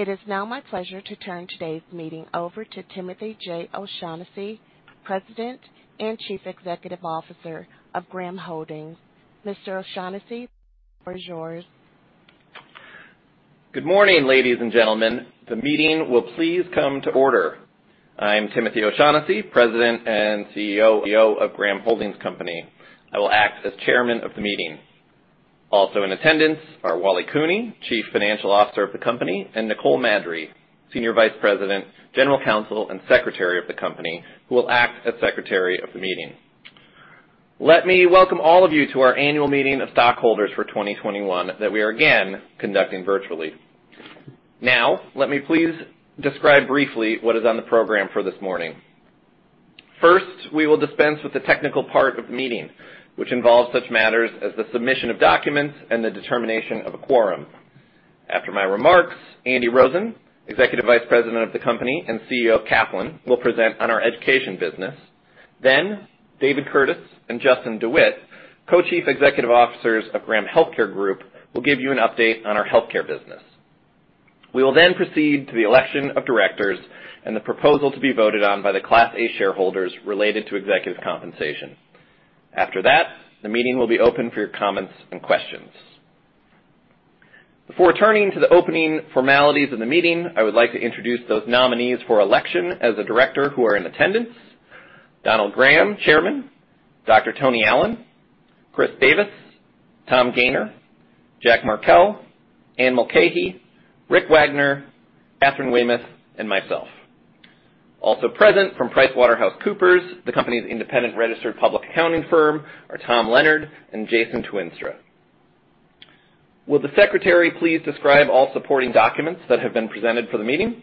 It is now my pleasure to turn today's meeting over to Timothy J. O'Shaughnessy, President and Chief Executive Officer of Graham Holdings. Mr. O'Shaughnessy, the floor is yours. Good morning, ladies and gentlemen. The meeting will please come to order. I'm Timothy O'Shaughnessy, President and CEO of Graham Holdings Company. I will act as chairman of the meeting. Also in attendance are Wally Cooney, Chief Financial Officer of the company, and Nicole Maddrey, Senior Vice President, General Counsel, and Secretary of the company, who will act as secretary of the meeting. Let me welcome all of you to our annual meeting of stockholders for 2021 that we are again conducting virtually. Let me please describe briefly what is on the program for this morning. First, we will dispense with the technical part of the meeting, which involves such matters as the submission of documents and the determination of a quorum. After my remarks, Andy Rosen, Executive Vice President of the company and CEO of Kaplan, will present on our education business. David Curtis and Justin DeWitte, Co-Chief Executive Officers of Graham Healthcare Group, will give you an update on our healthcare business. We will then proceed to the election of directors and the proposal to be voted on by the Class A shareholders related to executive compensation. The meeting will be open for your comments and questions. Before turning to the opening formalities of the meeting, I would like to introduce those nominees for election as a director who are in attendance. Donald Graham, Chairman, Tony Allen, Chris Davis, Tom Gayner, Jack Markell, Anne Mulcahy, Ric Wagoner, Katharine Weymouth, and myself. Also present from PricewaterhouseCoopers, the company's independent registered public accounting firm, are Tom Leonard and Jason Tuinstra. Will the Secretary please describe all supporting documents that have been presented for the meeting?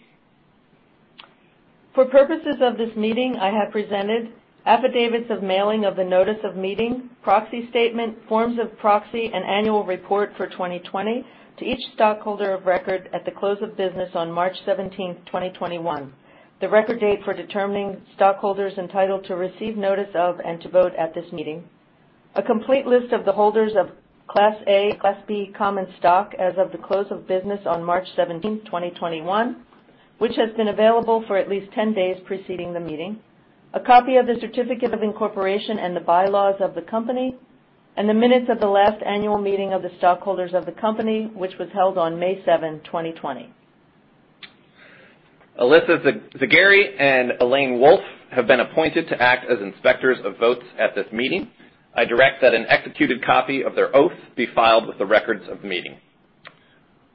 For purposes of this meeting, I have presented affidavits of mailing of the notice of meeting, proxy statement, forms of proxy, and annual report for 2020 to each stockholder of record at the close of business on March 17th, 2021, the record date for determining stockholders entitled to receive notice of and to vote at this meeting. A complete list of the holders of Class A and Class B common stock as of the close of business on March 17th, 2021, which has been available for at least 10 days preceding the meeting. A copy of the certificate of incorporation and the bylaws of the company, and the minutes of the last annual meeting of the stockholders of the company, which was held on May 7th, 2020. Alyssa Zagari and Elaine Wolff have been appointed to act as inspectors of votes at this meeting. I direct that an executed copy of their oath be filed with the records of the meeting.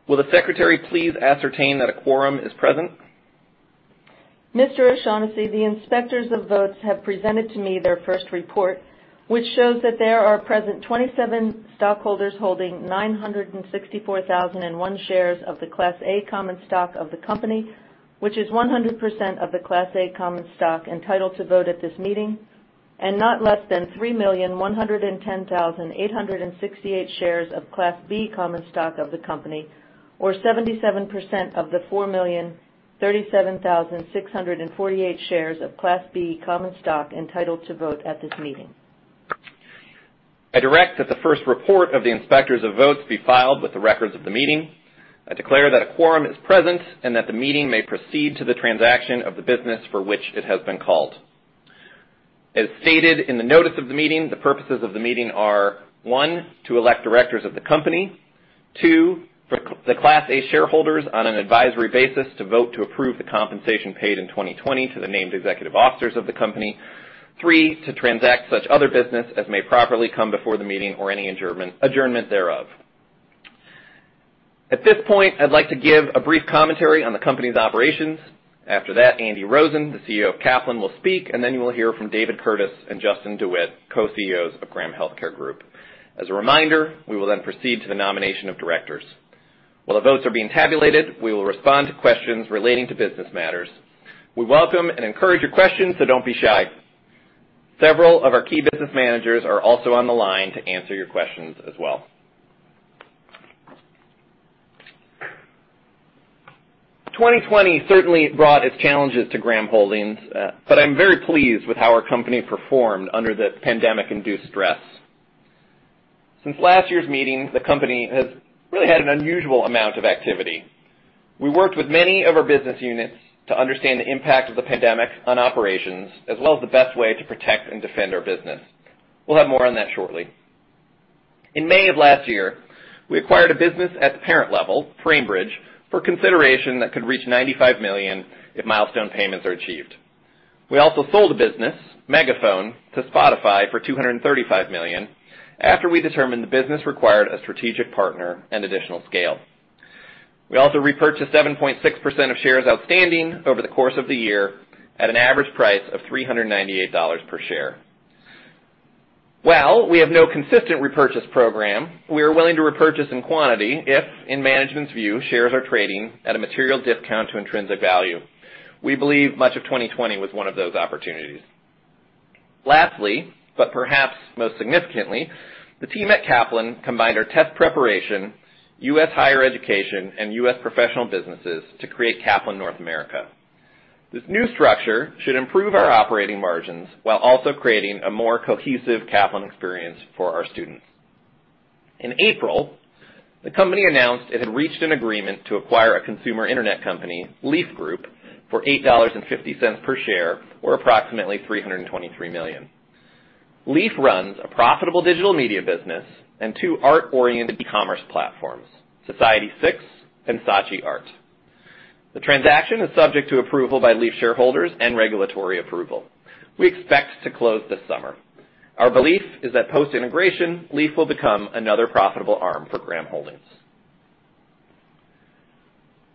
Will the secretary please ascertain that a quorum is present? Mr. O'Shaughnessy, the inspectors of votes have presented to me their first report, which shows that there are present 27 stockholders holding 964,001 shares of the Class A common stock of the company, which is 100% of the Class A common stock entitled to vote at this meeting, and not less than 3,110,868 shares of Class B common stock of the company, or 77% of the 4,037,648 shares of Class B common stock entitled to vote at this meeting. I direct that the first report of the inspectors of votes be filed with the records of the meeting. I declare that a quorum is present and that the meeting may proceed to the transaction of the business for which it has been called. As stated in the notice of the meeting, the purposes of the meeting are, one, to elect directors of the company. Two, for the Class A shareholders, on an advisory basis, to vote to approve the compensation paid in 2020 to the named executive officers of the company. Three, to transact such other business as may properly come before the meeting or any adjournment thereof. At this point, I'd like to give a brief commentary on the company's operations. After that, Andy Rosen, the CEO of Kaplan, will speak, and then you will hear from David Curtis and Justin DeWitte, Co-CEOs of Graham Healthcare Group. As a reminder, we will proceed to the nomination of directors. While the votes are being tabulated, we will respond to questions relating to business matters. We welcome and encourage your questions, don't be shy. Several of our key business managers are also on the line to answer your questions as well. 2020 certainly brought its challenges to Graham Holdings, I'm very pleased with how our company performed under the pandemic-induced stress. Since last year's meeting, the company has really had an unusual amount of activity. We worked with many of our business units to understand the impact of the pandemic on operations, as well as the best way to protect and defend our business. We'll have more on that shortly. In May of last year, we acquired a business at the parent level, Framebridge, for consideration that could reach $95 million if milestone payments are achieved. We also sold a business, Megaphone, to Spotify for $235 million after we determined the business required a strategic partner and additional scale. We also repurchased 7.6% of shares outstanding over the course of the year at an average price of $398 per share. While we have no consistent repurchase program, we are willing to repurchase in quantity if, in management's view, shares are trading at a material discount to intrinsic value. We believe much of 2020 was one of those opportunities. Lastly, but perhaps most significantly, the team at Kaplan combined our test preparation, U.S. higher education, and U.S. professional businesses to create Kaplan North America. This new structure should improve our operating margins while also creating a more cohesive Kaplan experience for our students. In April, the company announced it had reached an agreement to acquire a consumer internet company, Leaf Group, for $8.50 per share or approximately $323 million. Leaf runs a profitable digital media business and two art-oriented e-commerce platforms, Society6 and Saatchi Art. The transaction is subject to approval by Leaf shareholders and regulatory approval. We expect to close this summer. Our belief is that post-integration, Leaf will become another profitable arm for Graham Holdings.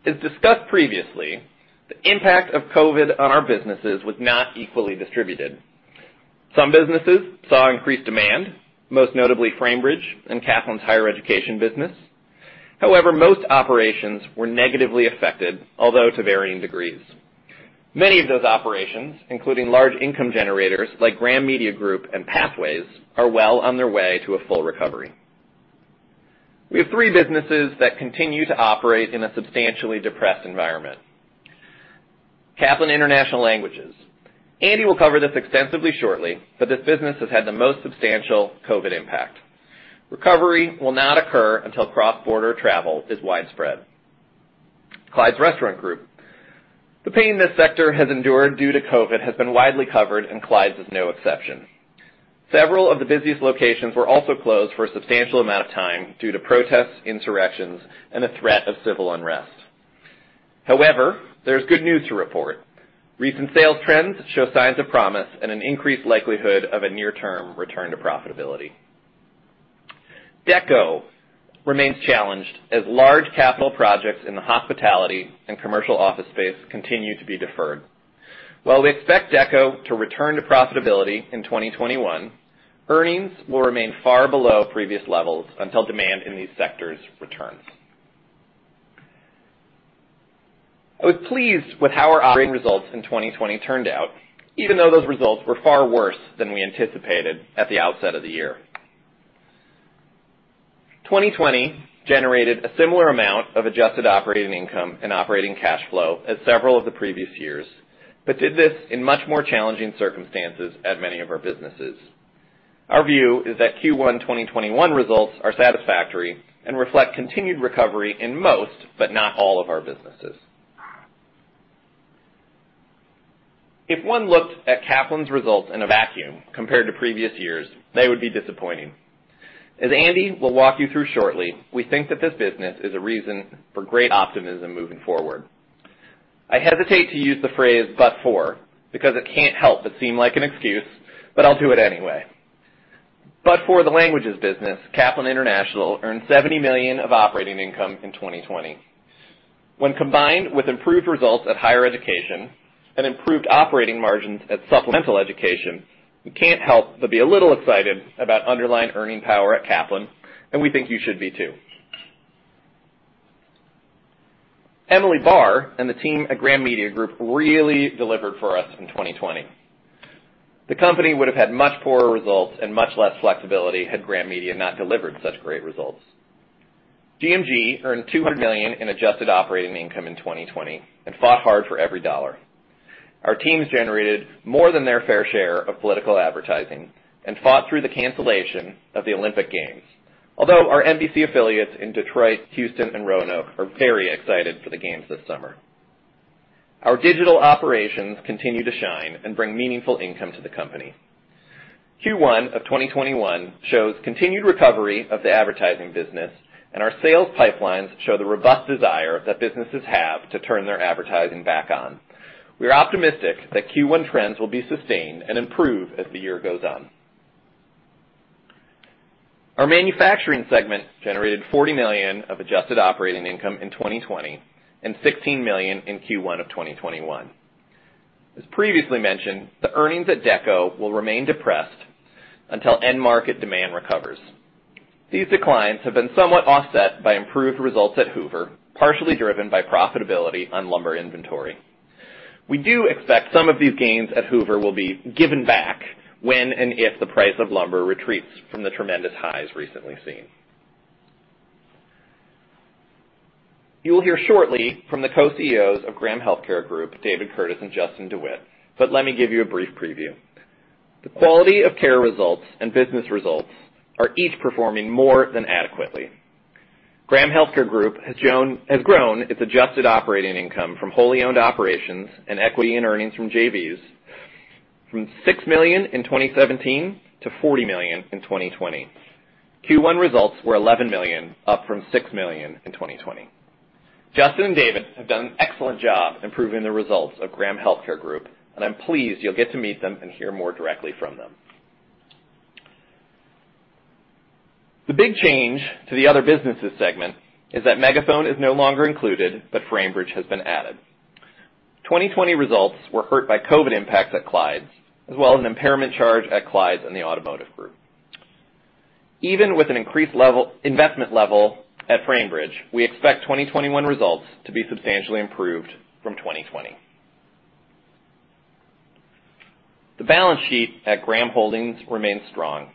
As discussed previously, the impact of COVID on our businesses was not equally distributed. Some businesses saw increased demand, most notably Framebridge and Kaplan's higher education business. Most operations were negatively affected, although to varying degrees. Many of those operations, including large income generators like Graham Media Group and Pathways, are well on their way to a full recovery. We have three businesses that continue to operate in a substantially depressed environment. Kaplan International Languages. This business has had the most substantial COVID impact. Recovery will not occur until cross-border travel is widespread. Clyde's Restaurant Group. The pain this sector has endured due to COVID has been widely covered, Clyde's is no exception. Several of the busiest locations were also closed for a substantial amount of time due to protests, insurrections, and the threat of civil unrest. There's good news to report. Recent sales trends show signs of promise and an increased likelihood of a near-term return to profitability. Dekko remains challenged as large capital projects in the hospitality and commercial office space continue to be deferred. While we expect Dekko to return to profitability in 2021, earnings will remain far below previous levels until demand in these sectors returns. I was pleased with how our operating results in 2020 turned out, even though those results were far worse than we anticipated at the outset of the year. 2020 generated a similar amount of adjusted operating income and operating cash flow as several of the previous years, but did this in much more challenging circumstances at many of our businesses. Our view is that Q1 2021 results are satisfactory and reflect continued recovery in most, but not all, of our businesses. If one looked at Kaplan's results in a vacuum compared to previous years, they would be disappointing. As Andy will walk you through shortly, we think that this business is a reason for great optimism moving forward. I hesitate to use the phrase "but for" because it can't help but seem like an excuse, but I'll do it anyway. For the languages business, Kaplan International earned $70 million of operating income in 2020. When combined with improved results at higher education and improved operating margins at supplemental education, we can't help but be a little excited about underlying earning power at Kaplan, and we think you should be, too. Emily Barr and the team at Graham Media Group really delivered for us in 2020. The company would have had much poorer results and much less flexibility had Graham Media not delivered such great results. GMG earned $200 million in adjusted operating income in 2020 and fought hard for every dollar. Our teams generated more than their fair share of political advertising and fought through the cancellation of the Olympic Games. Although our NBC affiliates in Detroit, Houston, and Roanoke are very excited for the games this summer, our digital operations continue to shine and bring meaningful income to the company. Q1 of 2021 shows continued recovery of the advertising business, and our sales pipelines show the robust desire that businesses have to turn their advertising back on. We are optimistic that Q1 trends will be sustained and improve as the year goes on. Our manufacturing segment generated $40 million of adjusted operating income in 2020 and $16 million in Q1 of 2021. As previously mentioned, the earnings at Dekko will remain depressed until end market demand recovers. These declines have been somewhat offset by improved results at Hoover, partially driven by profitability on lumber inventory. We do expect some of these gains at Hoover will be given back when and if the price of lumber retreats from the tremendous highs recently seen. You will hear shortly from the co-CEOs of Graham Healthcare Group, David Curtis and Justin DeWitte, but let me give you a brief preview. The quality of care results and business results are each performing more than adequately. Graham Healthcare Group has grown its adjusted operating income from wholly owned operations and equity in earnings from JVs from $6 million in 2017 to $40 million in 2020. Q1 results were $11 million, up from $6 million in 2020. Justin and David have done an excellent job improving the results of Graham Healthcare Group, and I'm pleased you'll get to meet them and hear more directly from them. The big change to the other businesses segment is that Megaphone is no longer included, but Framebridge has been added. 2020 results were hurt by COVID impacts at Clyde's, as well as an impairment charge at Clyde's and the automotive group. Even with an increased investment level at Framebridge, we expect 2021 results to be substantially improved from 2020. The balance sheet at Graham Holdings remains strong.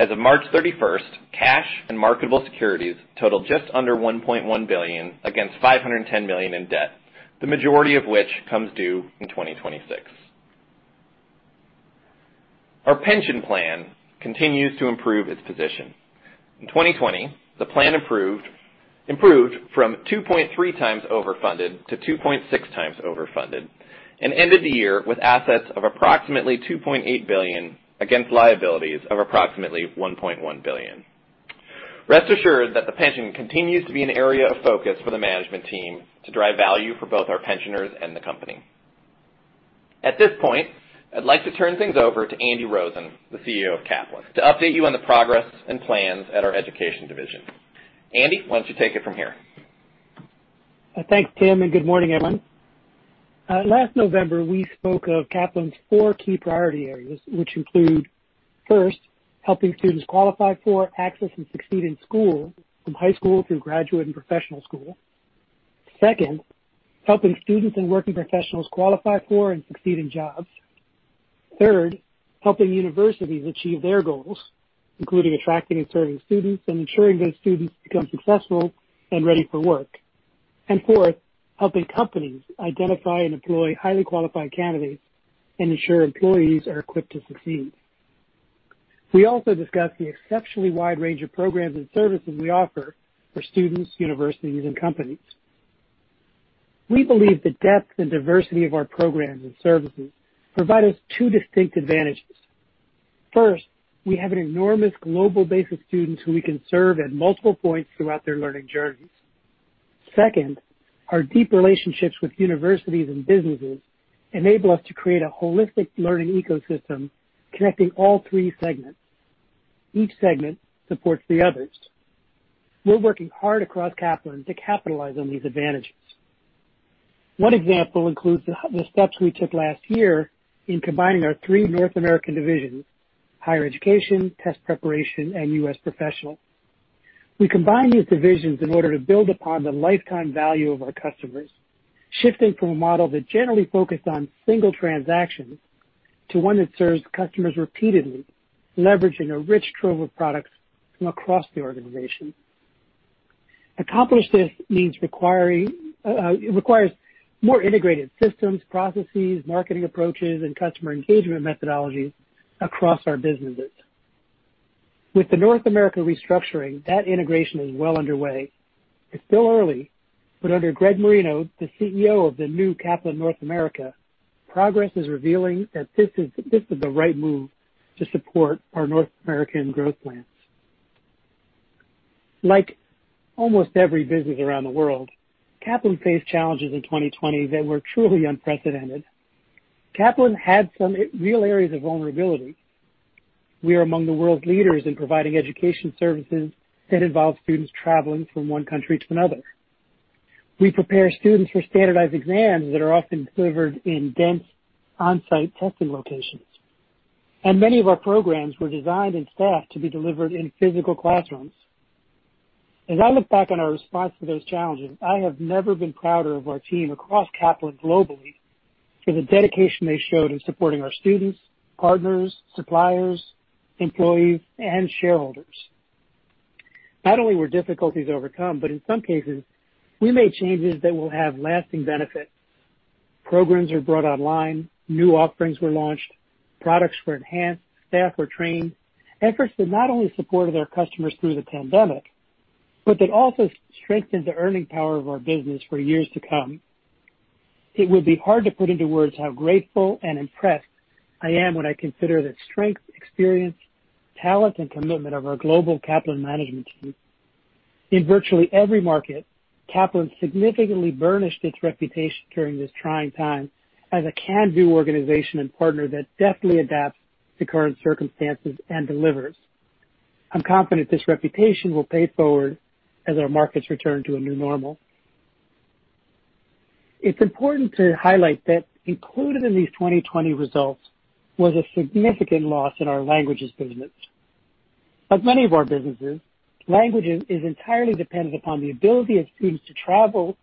As of March 31st, cash and marketable securities total just under $1.1 billion against $510 million in debt, the majority of which comes due in 2026. Our pension plan continues to improve its position. In 2020, the plan improved from 2.3x overfunded to 2.6x overfunded, and ended the year with assets of approximately $2.8 billion against liabilities of approximately $1.1 billion. Rest assured that the pension continues to be an area of focus for the management team to drive value for both our pensioners and the company. At this point, I'd like to turn things over to Andy Rosen, the CEO of Kaplan, to update you on the progress and plans at our education division. Andy, why don't you take it from here? Thanks, Tim. Good morning, everyone. Last November, we spoke of Kaplan's four key priority areas, which include, first, helping students qualify for, access, and succeed in school from high school through graduate and professional school. Second, helping students and working professionals qualify for and succeed in jobs. Third, helping universities achieve their goals, including attracting and serving students and ensuring those students become successful and ready for work. Fourth, helping companies identify and employ highly qualified candidates and ensure employees are equipped to succeed. We also discussed the exceptionally wide range of programs and services we offer for students, universities, and companies. We believe the depth and diversity of our programs and services provide us two distinct advantages. First, we have an enormous global base of students who we can serve at multiple points throughout their learning journeys. Second, our deep relationships with universities and businesses enable us to create a holistic learning ecosystem connecting all three segments. Each segment supports the others. We're working hard across Kaplan to capitalize on these advantages. One example includes the steps we took last year in combining our three North American divisions, higher education, test preparation, and U.S. professional. We combined these divisions in order to build upon the lifetime value of our customers, shifting from a model that generally focused on single transactions to one that serves customers repeatedly, leveraging a rich trove of products from across the organization. Accomplish this requires more integrated systems, processes, marketing approaches, and customer engagement methodologies across our businesses. With the North America restructuring, that integration is well underway. It's still early, under Gregory Marino, the CEO of the new Kaplan North America, progress is revealing that this is the right move to support our North American growth plans. Like almost every business around the world, Kaplan faced challenges in 2020 that were truly unprecedented. Kaplan had some real areas of vulnerability. We are among the world's leaders in providing education services that involve students traveling from one country to another. We prepare students for standardized exams that are often delivered in dense on-site testing locations, and many of our programs were designed and staffed to be delivered in physical classrooms. As I look back on our response to those challenges, I have never been prouder of our team across Kaplan globally for the dedication they showed in supporting our students, partners, suppliers, employees, and shareholders. Not only were difficulties overcome, but in some cases, we made changes that will have lasting benefits. Programs were brought online, new offerings were launched, products were enhanced, staff were trained. Efforts that not only supported our customers through the pandemic, but that also strengthened the earning power of our business for years to come. It would be hard to put into words how grateful and impressed I am when I consider the strength, experience, talent, and commitment of our global Kaplan management team. In virtually every market, Kaplan significantly burnished its reputation during this trying time as a can-do organization and partner that deftly adapts to current circumstances and delivers. I'm confident this reputation will pay forward as our markets return to a new normal. It's important to highlight that included in these 2020 results was a significant loss in our languages business. Many of our businesses, Languages is entirely dependent upon the ability of students to travel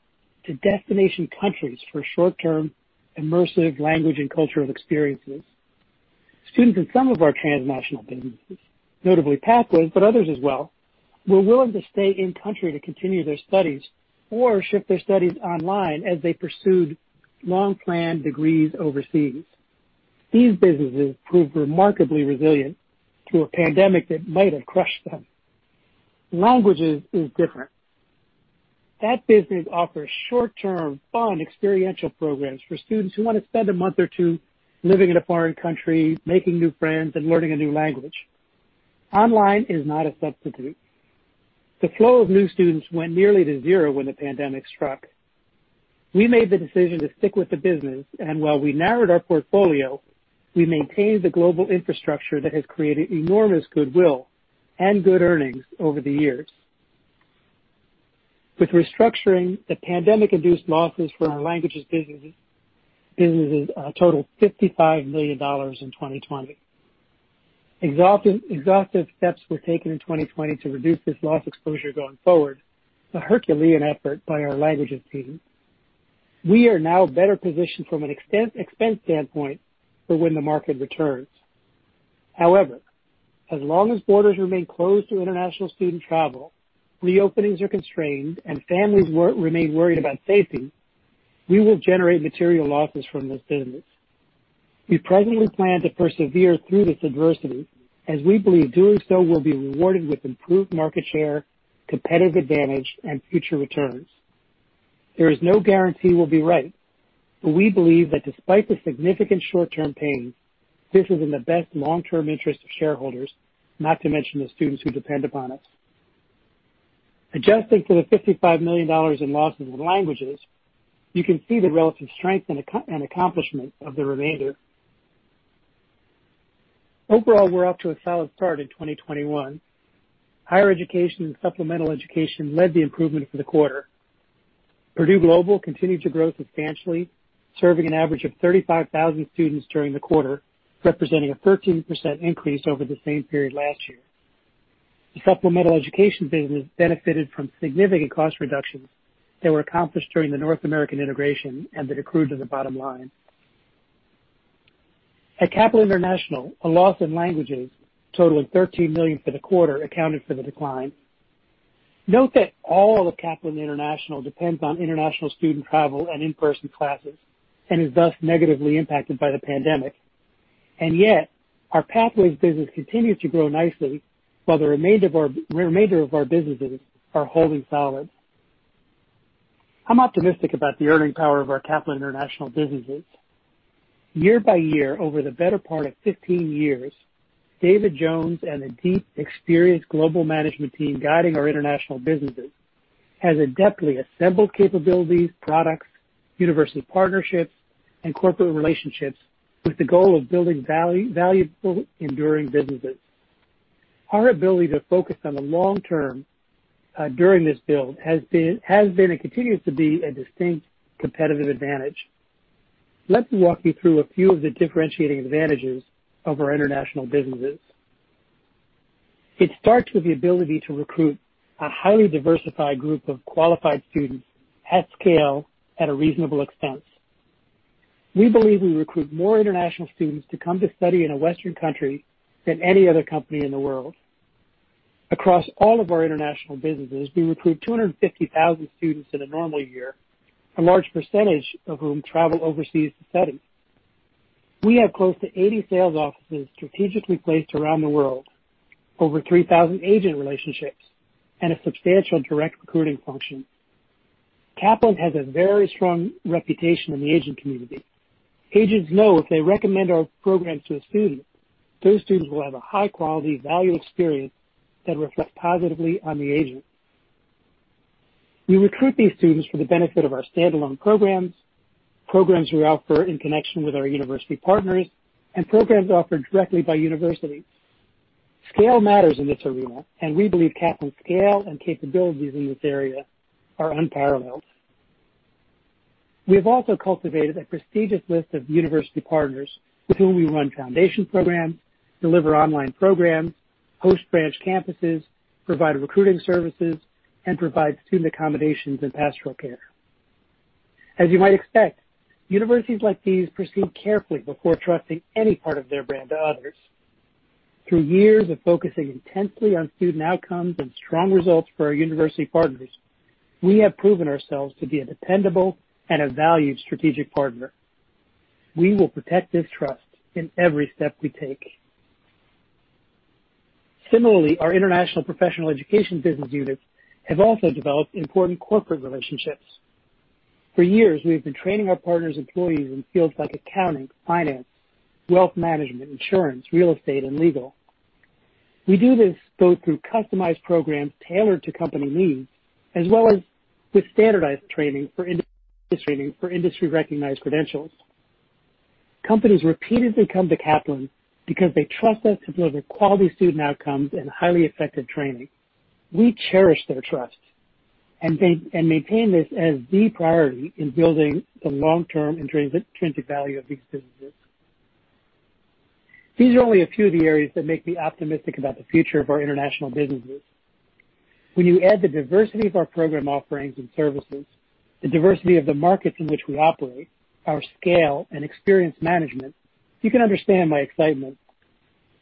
to destination countries for short-term immersive language and cultural experiences. Students in some of our transnational businesses, notably Pathways, but others as well, were willing to stay in country to continue their studies or shift their studies online as they pursued long-planned degrees overseas. These businesses proved remarkably resilient to a pandemic that might have crushed them. Languages is different. That business offers short-term, fun experiential programs for students who want to spend a month or two living in a foreign country, making new friends, and learning a new language. Online is not a substitute. The flow of new students went nearly to zero when the pandemic struck. We made the decision to stick with the business, and while we narrowed our portfolio, we maintained the global infrastructure that has created enormous goodwill and good earnings over the years. With restructuring, the pandemic-induced losses for our languages businesses total $55 million in 2020. Exhaustive steps were taken in 2020 to reduce this loss exposure going forward, a Herculean effort by our languages team. We are now better positioned from an expense standpoint for when the market returns. However, as long as borders remain closed to international student travel, reopenings are constrained, and families remain worried about safety, we will generate material losses from the. We presently plan to persevere through this adversity as we believe doing so will be rewarded with improved market share, competitive advantage, and future returns. There is no guarantee we'll be right, but we believe that despite the significant short-term pain, this is in the best long-term interest of shareholders, not to mention the students who depend upon us. Adjusting for the $55 million in losses in languages, you can see the relative strength and accomplishment of the remainder. Overall, we're off to a solid start in 2021. Higher education and supplemental education led the improvement for the quarter. Purdue Global continued to grow substantially, serving an average of 35,000 students during the quarter, representing a 13% increase over the same period last year. The supplemental education business benefited from significant cost reductions that were accomplished during the North American integration and that accrued to the bottom line. At Kaplan International, a loss in languages totaling $13 million for the quarter accounted for the decline. Note that all of Kaplan International depends on international student travel and in-person classes, and is thus negatively impacted by the pandemic. Yet, our Pathways business continues to grow nicely, while the remainder of our businesses are holding solid. I'm optimistic about the earning power of our Kaplan International businesses. Year-by-year, over the better part of 15 years, David Jones and a deep, experienced global management team guiding our international businesses has adeptly assembled capabilities, products, university partnerships, and corporate relationships with the goal of building valuable, enduring businesses. Our ability to focus on the long term, during this build has been, and continues to be, a distinct competitive advantage. Let me walk you through a few of the differentiating advantages of our international businesses. It starts with the ability to recruit a highly diversified group of qualified students at scale at a reasonable expense. We believe we recruit more international students to come to study in a Western country than any other company in the world. Across all of our international businesses, we recruit 250,000 students in a normal year, a large percentage of whom travel overseas to study. We have close to 80 sales offices strategically placed around the world, over 3,000 agent relationships, and a substantial direct recruiting function. Kaplan has a very strong reputation in the agent community. Agents know if they recommend our programs to a student, those students will have a high-quality, value experience that reflects positively on the agent. We recruit these students for the benefit of our standalone programs we offer in connection with our university partners, and programs offered directly by universities. Scale matters in this arena, and we believe Kaplan's scale and capabilities in this area are unparalleled. We have also cultivated a prestigious list of university partners with whom we run foundation programs, deliver online programs, host branch campuses, provide recruiting services, and provide student accommodations and pastoral care. As you might expect, universities like these proceed carefully before trusting any part of their brand to others. Through years of focusing intensely on student outcomes and strong results for our university partners, we have proven ourselves to be a dependable and a valued strategic partner. We will protect this trust in every step we take. Similarly, our international professional education business units have also developed important corporate relationships. For years, we've been training our partners' employees in fields like accounting, finance, wealth management, insurance, real estate, and legal. We do this both through customized programs tailored to company needs, as well as with standardized training for industry-recognized credentials. Companies repeatedly come to Kaplan because they trust us to deliver quality student outcomes and highly effective training. We cherish their trust and maintain this as the priority in building the long-term intrinsic value of these businesses. These are only a few of the areas that make me optimistic about the future of our international businesses. When you add the diversity of our program offerings and services, the diversity of the markets in which we operate, our scale, and experienced management, you can understand my excitement.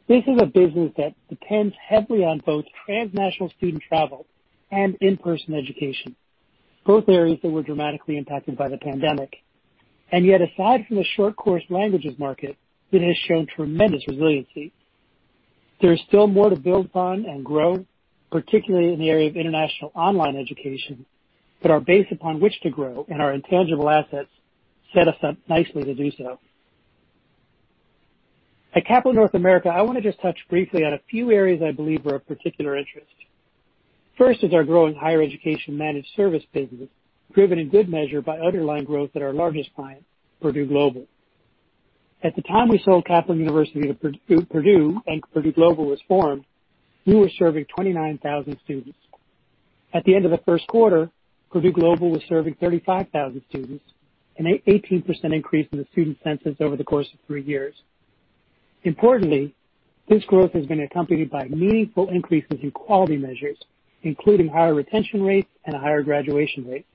This is a business that depends heavily on both transnational student travel and in-person education, both areas that were dramatically impacted by the pandemic. Yet, aside from the short course languages market, it has shown tremendous resiliency. There is still more to build upon and grow, particularly in the area of international online education, but our base upon which to grow and our intangible assets set us up nicely to do so. At Kaplan North America, I want to just touch briefly on a few areas I believe are of particular interest. First is our growing higher education managed service business, driven in good measure by underlying growth at our largest client, Purdue Global. At the time we sold Kaplan University to Purdue, and Purdue Global was formed, we were serving 29,000 students. At the end of the first quarter, Purdue Global was serving 35,000 students, an 18% increase in the student census over the course of three years. Importantly, this growth has been accompanied by meaningful increases in quality measures, including higher retention rates and a higher graduation rate.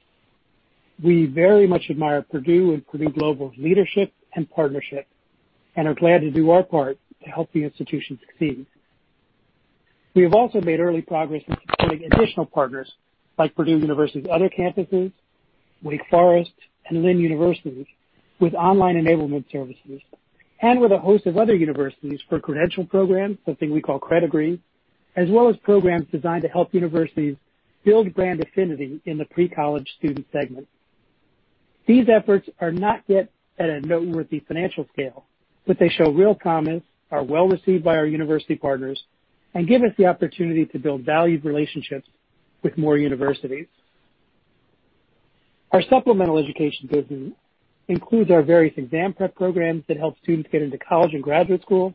We very much admire Purdue and Purdue Global's leadership and partnership, and are glad to do our part to help the institution succeed. We have also made early progress in securing additional partners like Purdue University's other campuses, Wake Forest, and Lynn University with online enablement services. And with a host of other universities for credential programs, something we call Credegree, as well as programs designed to help universities build brand affinity in the pre-college student segment. These efforts are not yet at a noteworthy financial scale, but they show real promise, are well-received by our university partners, and give us the opportunity to build valued relationships with more universities. Our supplemental education business includes our various exam prep programs that help students get into college and graduate school,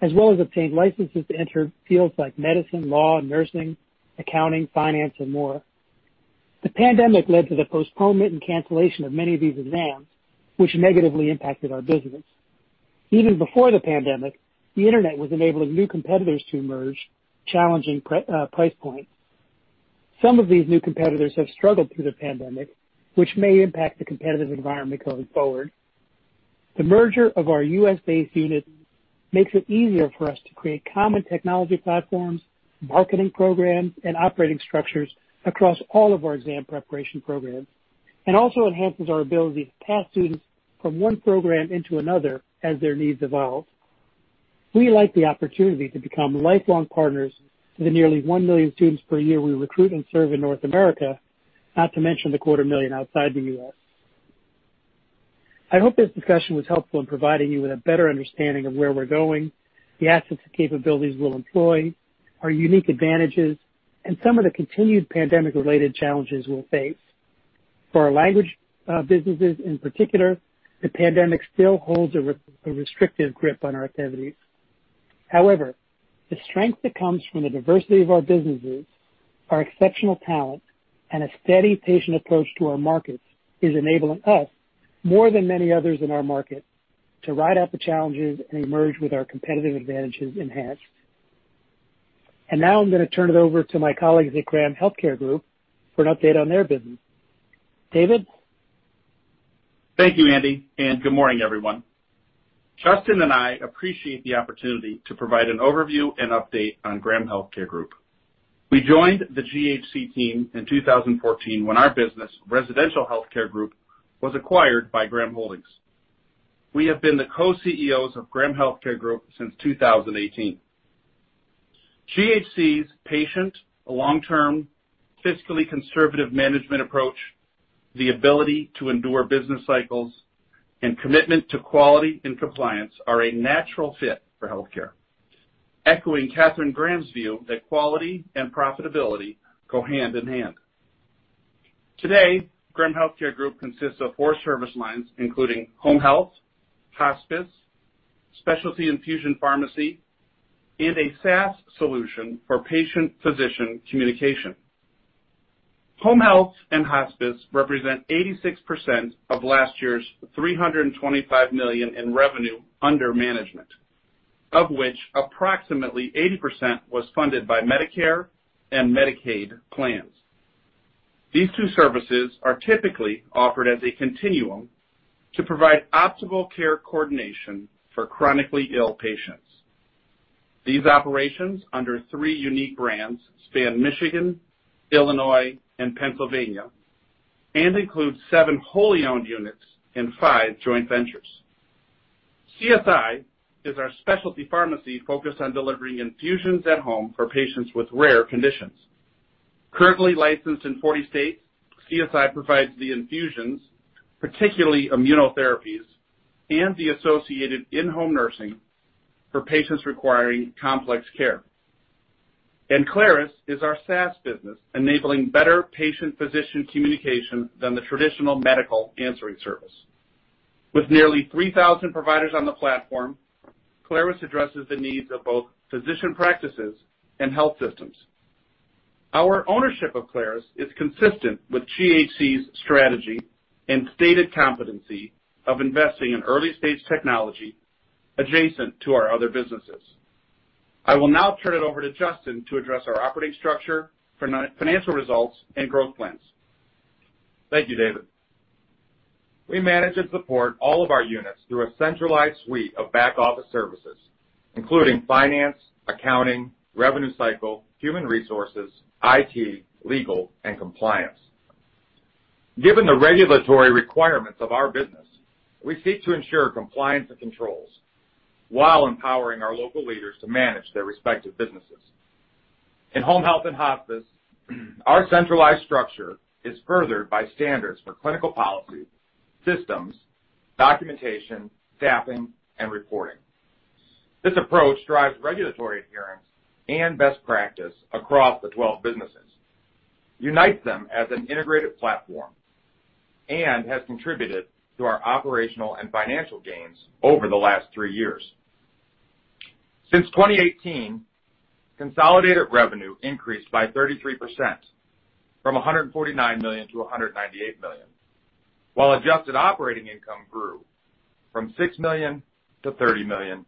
as well as obtain licenses to enter fields like medicine, law, nursing, accounting, finance, and more. The pandemic led to the postponement and cancellation of many of these exams, which negatively impacted our business. Even before the pandemic, the internet was enabling new competitors to emerge, challenging price points. Some of these new competitors have struggled through the pandemic, which may impact the competitive environment going forward. The merger of our U.S. based unit makes it easier for us to create common technology platforms, marketing programs, and operating structures across all of our exam preparation programs, and also enhances our ability to pass students from one program into another as their needs evolve. We like the opportunity to become lifelong partners to the nearly 1 million students per year we recruit and serve in North America, not to mention the 250,000 outside the U.S.. I hope this discussion was helpful in providing you with a better understanding of where we're going, the assets and capabilities we'll employ, our unique advantages, and some of the continued pandemic-related challenges we'll face. For our language businesses in particular, the pandemic still holds a restrictive grip on our activities. The strength that comes from the diversity of our businesses, our exceptional talent, and a steady, patient approach to our markets is enabling us, more than many others in our market, to ride out the challenges and emerge with our competitive advantages enhanced. Now I'm going to turn it over to my colleagues at Graham Healthcare Group for an update on their business. David? Thank you, Andy. Good morning, everyone. Justin and I appreciate the opportunity to provide an overview and update on Graham Healthcare Group. We joined the GHC team in 2014 when our business, Residential Healthcare Group, was acquired by Graham Holdings. We have been the co-CEOs of Graham Healthcare Group since 2018. GHC's patient, long-term, fiscally conservative management approach, the ability to endure business cycles, and commitment to quality and compliance are a natural fit for healthcare. Echoing Katharine Graham's view that quality and profitability go hand in hand. Today, Graham Healthcare Group consists of four service lines, including home health, hospice, specialty infusion pharmacy, and a SaaS solution for patient-physician communication. Home health and hospice represent 86% of last year's $325 million in revenue under management, of which approximately 80% was funded by Medicare and Medicaid plans. These two services are typically offered as a continuum to provide optimal care coordination for chronically ill patients. These operations, under three unique brands, span Michigan, Illinois, and Pennsylvania, and include seven wholly owned units and five joint ventures. CSI is our specialty pharmacy focused on delivering infusions at home for patients with rare conditions. Currently licensed in 40 states, CSI provides the infusions, particularly immunotherapies, and the associated in-home nursing for patients requiring complex care. Clarus is our SaaS business, enabling better patient-physician communication than the traditional medical answering service. With nearly 3,000 providers on the platform, Clarus addresses the needs of both physician practices and health systems. Our ownership of Clarus is consistent with GHC's strategy and stated competency of investing in early-stage technology adjacent to our other businesses. I will now turn it over to Justin to address our operating structure, financial results, and growth plans. Thank you, David. We manage and support all of our units through a centralized suite of back office services, including finance, accounting, revenue cycle, human resources, IT, legal, and compliance. Given the regulatory requirements of our business, we seek to ensure compliance and controls while empowering our local leaders to manage their respective businesses. In home health and hospice, our centralized structure is furthered by standards for clinical policy, systems, documentation, staffing, and reporting. This approach drives regulatory adherence and best practice across the 12 businesses, unites them as an integrated platform, and has contributed to our operational and financial gains over the last three years. Since 2018, consolidated revenue increased by 33%, from $149 million-$198 million, while adjusted operating income grew from $6 million-$30 million.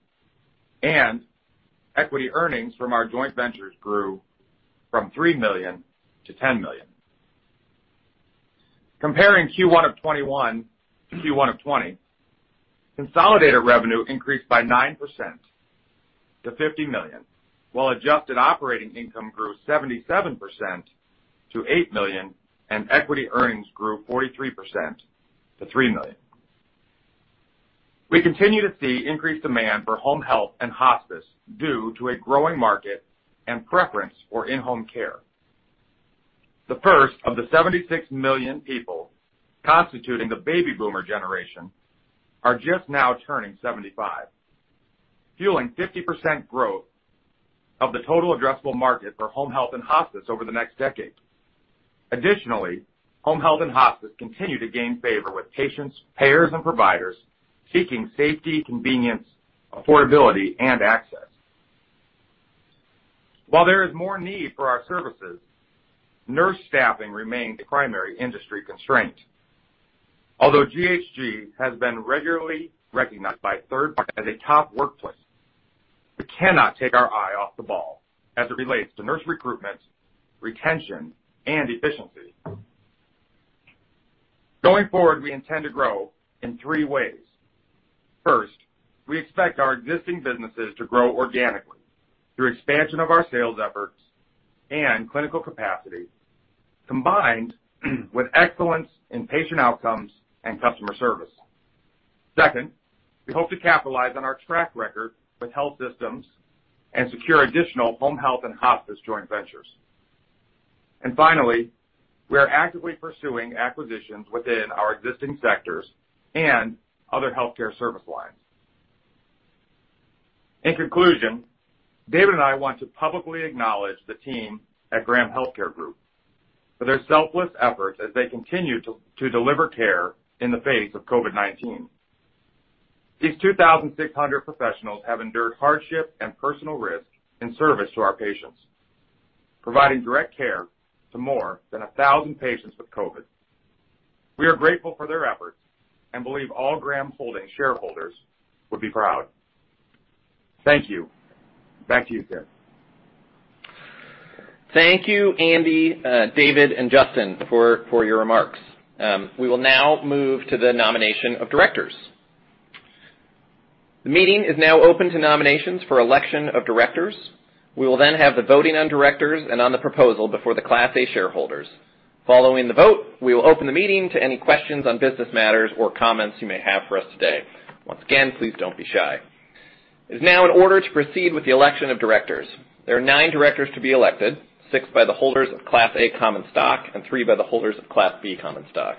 Equity earnings from our joint ventures grew from $3 million-$10 million. Comparing Q1 of 2021 to Q1 of 2020, consolidated revenue increased by 9% to $50 million, while adjusted operating income grew 77% to $8 million, and equity earnings grew 43% to $3 million. We continue to see increased demand for home health and hospice due to a growing market and preference for in-home care. The first of the 76 million people constituting the baby boomer generation are just now turning 75, fueling 50% growth of the total addressable market for home health and hospice over the next decade. Additionally, home health and hospice continue to gain favor with patients, payers, and providers, seeking safety, convenience, affordability, and access. While there is more need for our services, nurse staffing remains the primary industry constraint. Although GHG has been regularly recognized by third party as a top workplace, we cannot take our eye off the ball as it relates to nurse recruitment, retention, and efficiency. Going forward, we intend to grow in three ways. First, we expect our existing businesses to grow organically through expansion of our sales efforts and clinical capacity, combined with excellence in patient outcomes and customer service. Second, we hope to capitalize on our track record with health systems and secure additional home health and hospice joint ventures. Finally, we are actively pursuing acquisitions within our existing sectors and other healthcare service lines. In conclusion, David and I want to publicly acknowledge the team at Graham Healthcare Group for their selfless efforts as they continue to deliver care in the face of COVID-19. These 2,600 professionals have endured hardship and personal risk in service to our patients, providing direct care to more than 1,000 patients with COVID. We are grateful for their efforts and believe all Graham Holdings shareholders would be proud. Thank you. Back to you, Tim. Thank you, Andy, David, and Justin, for your remarks. We will now move to the nomination of directors. The meeting is now open to nominations for election of directors. We will then have the voting on directors and on the proposal before the Class A shareholders. Following the vote, we will open the meeting to any questions on business matters or comments you may have for us today. Once again, please don't be shy. It is now in order to proceed with the election of directors. There are nine directors to be elected, six by the holders of Class A common stock and three by the holders of Class B common stock.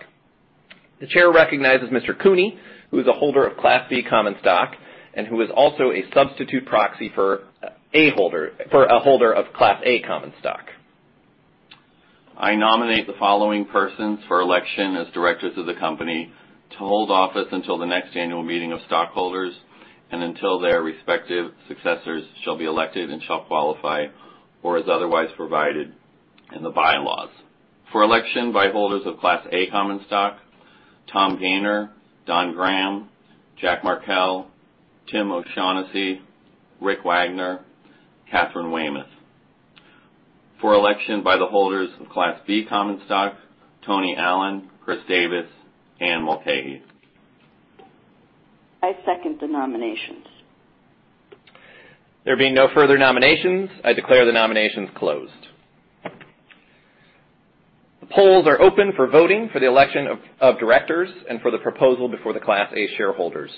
The Chair recognizes Mr. Cooney, who is a holder of Class B common stock and who is also a substitute proxy for a holder of Class A common stock. I nominate the following persons for election as directors of the company to hold office until the next annual meeting of stockholders and until their respective successors shall be elected and shall qualify, or as otherwise provided in the bylaws. For election by holders of Class A common stock, Tom Gayner, Don Graham, Jack Markell, Tim O'Shaughnessy, Ric Wagoner, Katharine Weymouth. For election by the holders of Class B common stock, Tony Allen, Chris Davis, Anne Mulcahy. I second the nominations. There being no further nominations, I declare the nominations closed. The polls are open for voting for the election of directors and for the proposal before the Class A shareholders.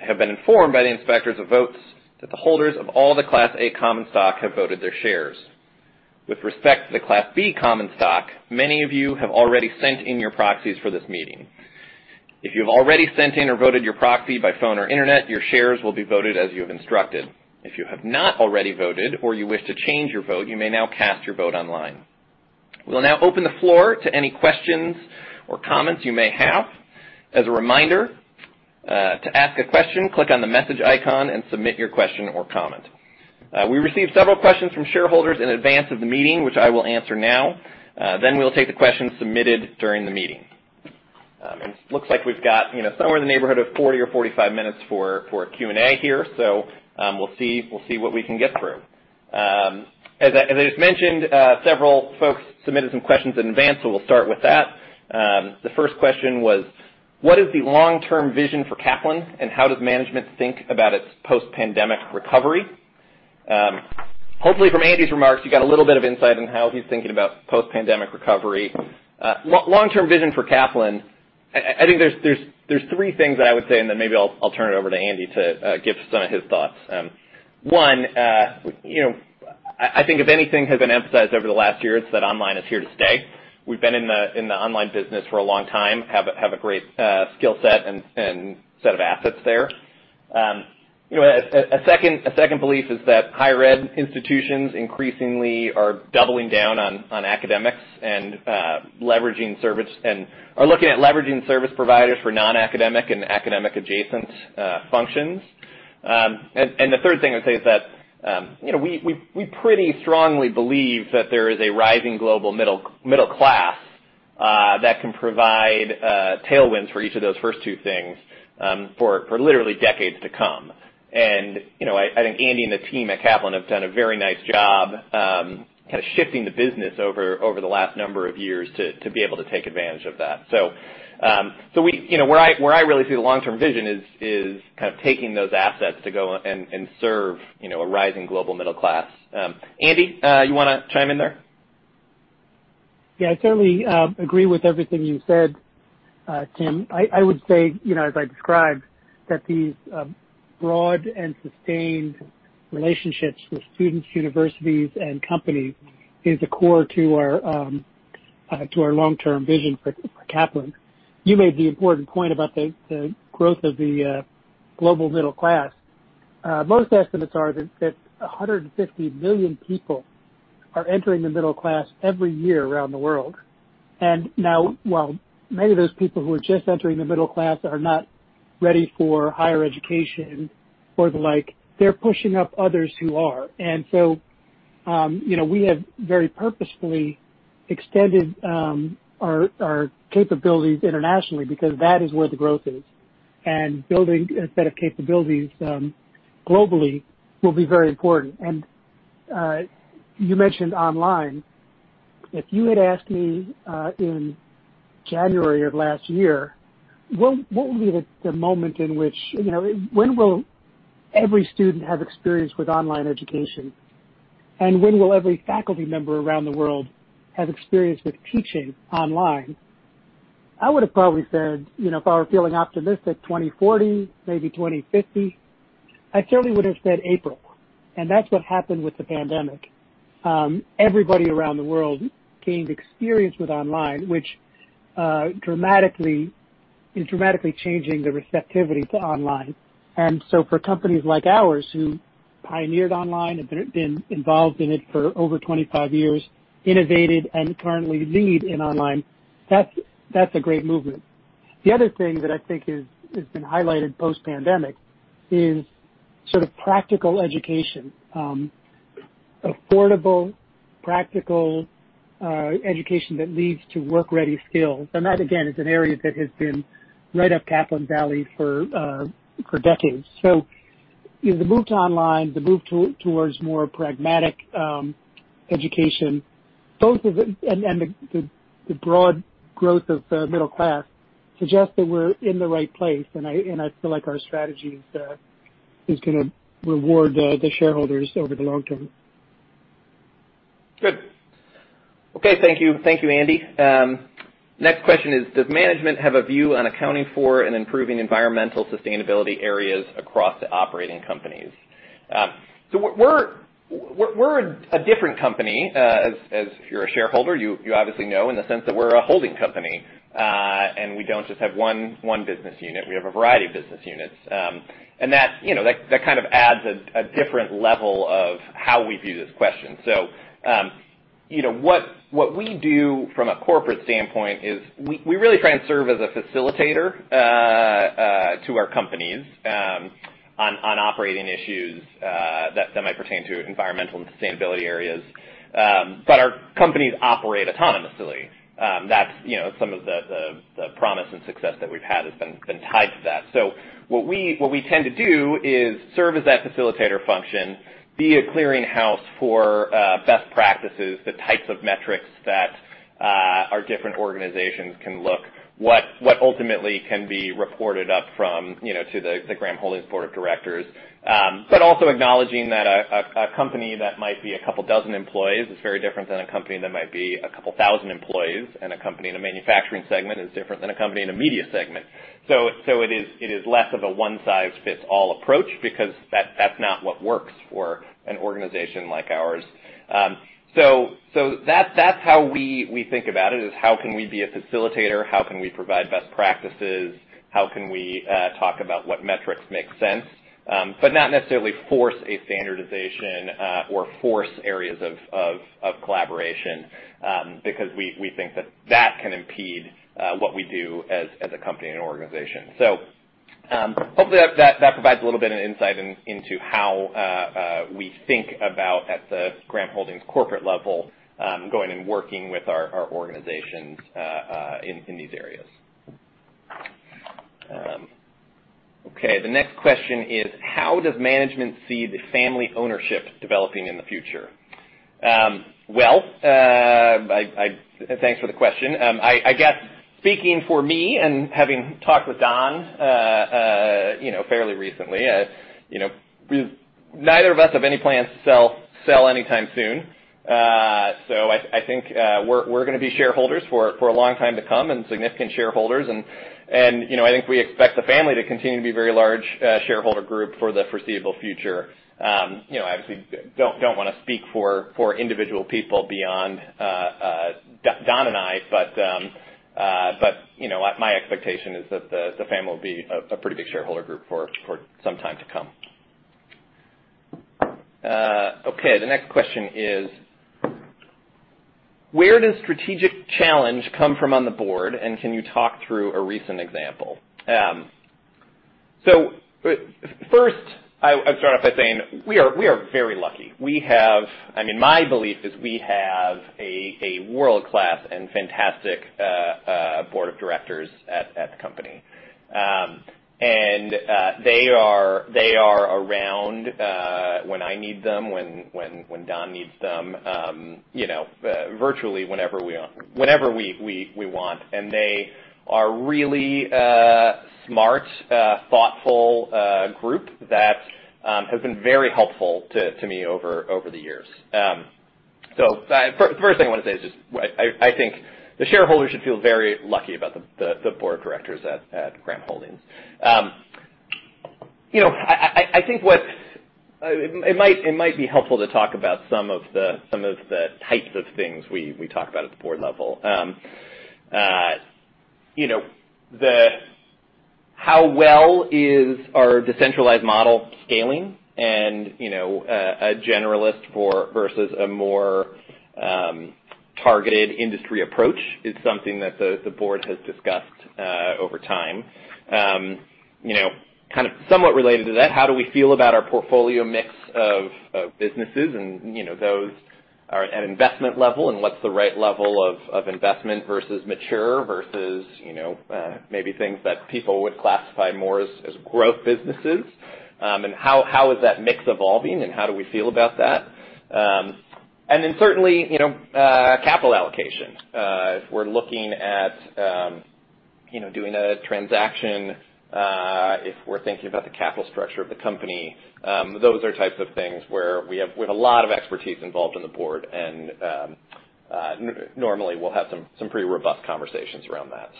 I have been informed by the inspectors of votes that the holders of all the Class A common stock have voted their shares. With respect to the Class B common stock, many of you have already sent in your proxies for this meeting. If you have already sent in or voted your proxy by phone or internet, your shares will be voted as you have instructed. If you have not already voted or you wish to change your vote, you may now cast your vote online. We will now open the floor to any questions or comments you may have. As a reminder, to ask a question, click on the message icon and submit your question or comment. We received several questions from shareholders in advance of the meeting, which I will answer now. We'll take the questions submitted during the meeting. It looks like we've got somewhere in the neighborhood of 40 or 45 minutes for Q&A here. We'll see what we can get through. As I just mentioned, several folks submitted some questions in advance, so we'll start with that. The first question was: What is the long-term vision for Kaplan, and how does management think about its post-pandemic recovery? Hopefully, from Andy's remarks, you got a little bit of insight on how he's thinking about post-pandemic recovery. Long-term vision for Kaplan, I think there's three things that I would say, and then maybe I'll turn it over to Andy to give some of his thoughts. One, I think if anything has been emphasized over the last year, it's that online is here to stay. We've been in the online business for a long time, have a great skill set and set of assets there. A second belief is that higher ed institutions increasingly are doubling down on academics and are looking at leveraging service providers for non-academic and academic adjacent functions. The third thing I'd say is that we pretty strongly believe that there is a rising global middle class that can provide tailwinds for each of those first two things for literally decades to come. I think Andy and the team at Kaplan have done a very nice job shifting the business over the last number of years to be able to take advantage of that. Where I really see the long-term vision is taking those assets to go and serve a rising global middle class. Andy, you want to chime in there? I certainly agree with everything you said, Tim. I would say, as I described, that these broad and sustained relationships with students, universities, and companies is a core to our long-term vision for Kaplan. You made the important point about the growth of the global middle class. Most estimates are that 150 million people are entering the middle class every year around the world. Now, while many of those people who are just entering the middle class are not ready for higher education or the like, they're pushing up others who are. So we have very purposefully extended our capabilities internationally because that is where the growth is. Building a set of capabilities globally will be very important. You mentioned online. If you had asked me in January of last year, what would be the moment when will every student have experience with online education? When will every faculty member around the world have experience with teaching online? I would've probably said, if I were feeling optimistic, 2040, maybe 2050. I certainly would've said April. That's what happened with the pandemic. Everybody around the world gained experience with online, which is dramatically changing the receptivity to online. For companies like ours, who pioneered online, have been involved in it for over 25 years, innovated, and currently lead in online, that's a great movement. The other thing that I think has been highlighted post-pandemic is practical education. Affordable, practical education that leads to work-ready skills. That, again, is an area that has been right up Kaplan's alley for decades. The move to online, the move towards more pragmatic education, and the broad growth of the middle class suggest that we're in the right place. I feel like our strategy is going to reward the shareholders over the long term. Thank you, Andy. Next question is: does management have a view on accounting for and improving environmental sustainability areas across the operating companies? We're a different company. If you're a shareholder, you obviously know in the sense that we're a holding company, and we don't just have one business unit. We have a variety of business units. That kind of adds a different level of how we view this question. What we do from a corporate standpoint is we really try and serve as a facilitator to our companies on operating issues that might pertain to environmental and sustainability areas. Our companies operate autonomously. Some of the promise and success that we've had has been tied to that. What we tend to do is serve as that facilitator function, be a clearing house for best practices, the types of metrics that our different organizations can look what ultimately can be reported up from to the Graham Holdings Board of Directors. Also acknowledging that a company that might be a couple dozen employees is very different than a company that might be a couple thousand employees. A company in a manufacturing segment is different than a company in a media segment. It is less of a one-size-fits-all approach because that's not what works for an organization like ours. That's how we think about it, is how can we be a facilitator? How can we provide best practices? How can we talk about what metrics make sense? Not necessarily force a standardization or force areas of collaboration because we think that that can impede what we do as a company and an organization. Hopefully that provides a little bit of insight into how we think about, at the Graham Holdings corporate level, going and working with our organizations in these areas. The next question is: how does management see the family ownership developing in the future? Well, thanks for the question. I guess speaking for me and having talked with Don fairly recently, neither of us have any plans to sell anytime soon. I think we're going to be shareholders for a long time to come, and significant shareholders. I think we expect the family to continue to be a very large shareholder group for the foreseeable future. Obviously, don't want to speak for individual people beyond Don and I, but my expectation is that the family will be a pretty big shareholder group for some time to come. The next question is: where does strategic challenge come from on the board, and can you talk through a recent example? First, I'll start off by saying we are very lucky. My belief is we have a world-class and fantastic board of directors at the company. They are around when I need them, when Don needs them, virtually whenever we want. They are really a smart, thoughtful group that has been very helpful to me over the years. The first thing I want to say is just I think the shareholders should feel very lucky about the board of directors at Graham Holdings. It might be helpful to talk about some of the types of things we talk about at the board level. How well is our decentralized model scaling? A generalist versus a more targeted industry approach is something that the board has discussed over time. Somewhat related to that, how do we feel about our portfolio mix of businesses and those at an investment level, and what's the right level of investment versus mature versus maybe things that people would classify more as growth businesses? How is that mix evolving and how do we feel about that? Certainly, capital allocation. If we're looking at doing a transaction, if we're thinking about the capital structure of the company, those are types of things where we have a lot of expertise involved in the board, and normally we'll have some pretty robust conversations around that.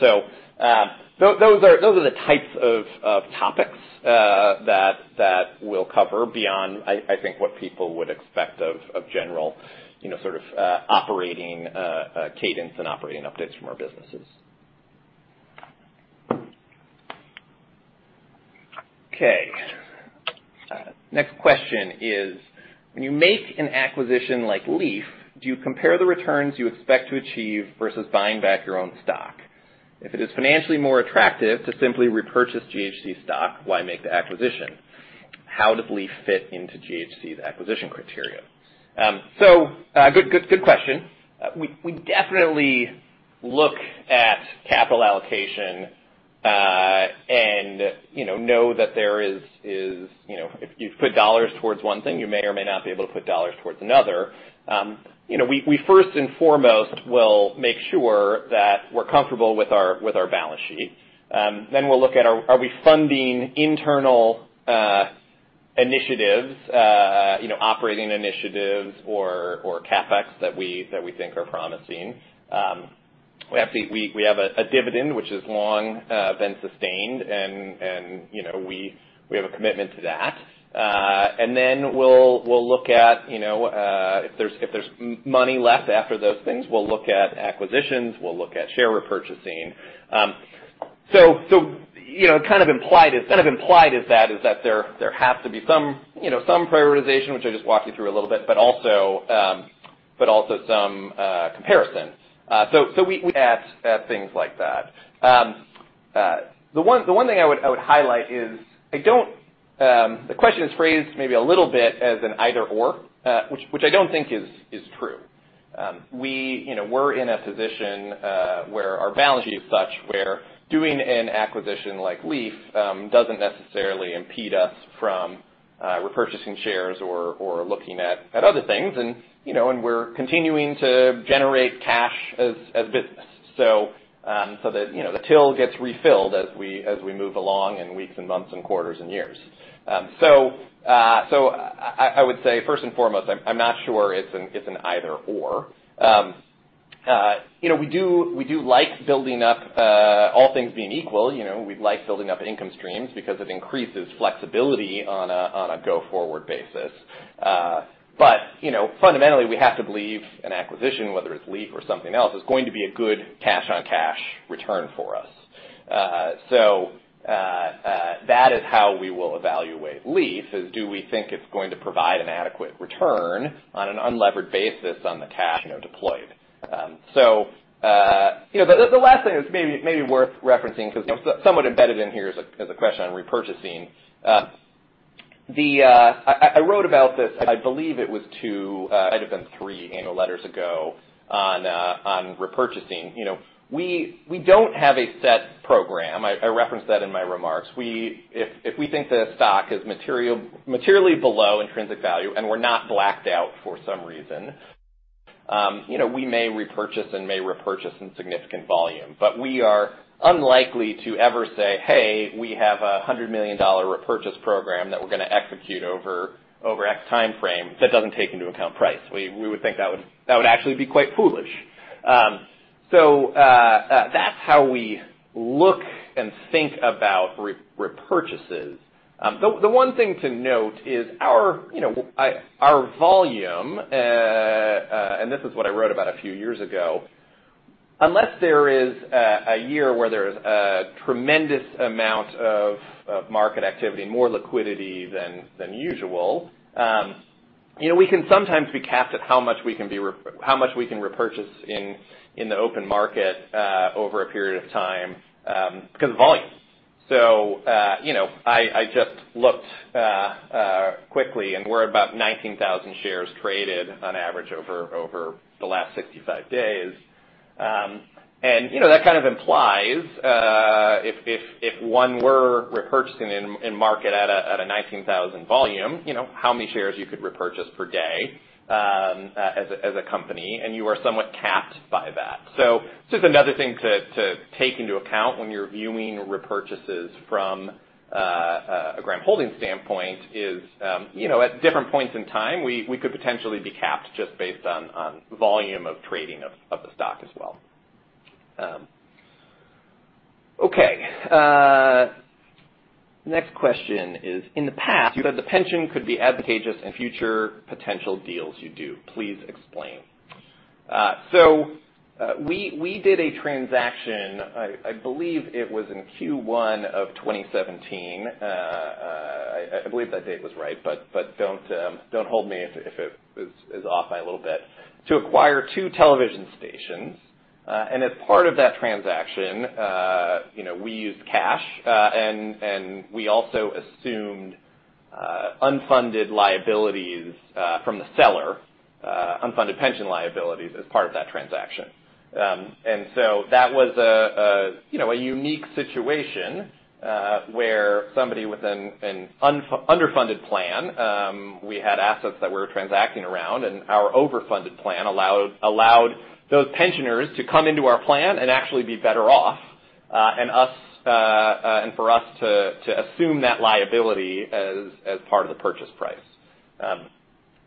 Those are the types of topics that we'll cover beyond, I think, what people would expect of general sort of operating cadence and operating updates from our businesses. Next question is, "When you make an acquisition like Leaf, do you compare the returns you expect to achieve versus buying back your own stock? If it is financially more attractive to simply repurchase GHC stock, why make the acquisition? How does Leaf fit into GHC's acquisition criteria?" Good question. We definitely look at capital allocation and know that if you put dollars towards one thing, you may or may not be able to put dollars towards another. We first and foremost will make sure that we're comfortable with our balance sheet. We'll look at are we funding internal initiatives, operating initiatives or CapEx that we think are promising. We have a dividend, which has long been sustained, and we have a commitment to that. If there's money left after those things, we'll look at acquisitions, we'll look at share repurchasing. Kind of implied in that is that there has to be some prioritization, which I just walked you through a little bit, but also some comparison. We look at things like that. The one thing I would highlight is the question is phrased maybe a little bit as an either/or, which I don't think is true. We're in a position where our balance sheet is such where doing an acquisition like Leaf doesn't necessarily impede us from repurchasing shares or looking at other things, and we're continuing to generate cash as business. The till gets refilled as we move along in weeks and months and quarters and years. I would say, first and foremost, I'm not sure it's an either/or. We do like building up, all things being equal, we like building up income streams because it increases flexibility on a go-forward basis. Fundamentally, we have to believe an acquisition, whether it's Leaf or something else, is going to be a good cash-on-cash return for us. That is how we will evaluate Leaf is do we think it's going to provide an adequate return on an unlevered basis on the cash deployed? The last thing that's maybe worth referencing because somewhat embedded in here is a question on repurchasing. I wrote about this, I believe it was two, might have been three annual letters ago, on repurchasing. We don't have a set program. I referenced that in my remarks. If we think the stock is materially below intrinsic value, and we're not blacked out for some reason, we may repurchase and may repurchase in significant volume. We are unlikely to ever say, "Hey, we have a $100 million repurchase program that we're going to execute over X timeframe" that doesn't take into account price. We would think that would actually be quite foolish. That's how we look and think about repurchases. The one thing to note is our volume, and this is what I wrote about a few years ago. Unless there is a year where there's a tremendous amount of market activity, more liquidity than usual, we can sometimes be capped at how much we can repurchase in the open market over a period of time because of volume. I just looked quickly, and we're about 19,000 shares traded on average over the last 65 days. That kind of implies, if one were repurchasing in market at a 19,000 volume, how many shares you could repurchase per day as a company, and you are somewhat capped by that. It's just another thing to take into account when you're viewing repurchases from a Graham Holdings standpoint is, at different points in time, we could potentially be capped just based on volume of trading of the stock as well. Next question is: In the past, you said the pension could be advantageous in future potential deals you do. Please explain. We did a transaction, I believe it was in Q1 of 2017. I believe that date was right, but don't hold me if it is off by a little bit. To acquire two television stations, and as part of that transaction, we used cash, and we also assumed unfunded liabilities from the seller, unfunded pension liabilities as part of that transaction. That was a unique situation, where somebody with an underfunded plan. We had assets that we were transacting around, and our overfunded plan allowed those pensioners to come into our plan and actually be better off, and for us to assume that liability as part of the purchase price.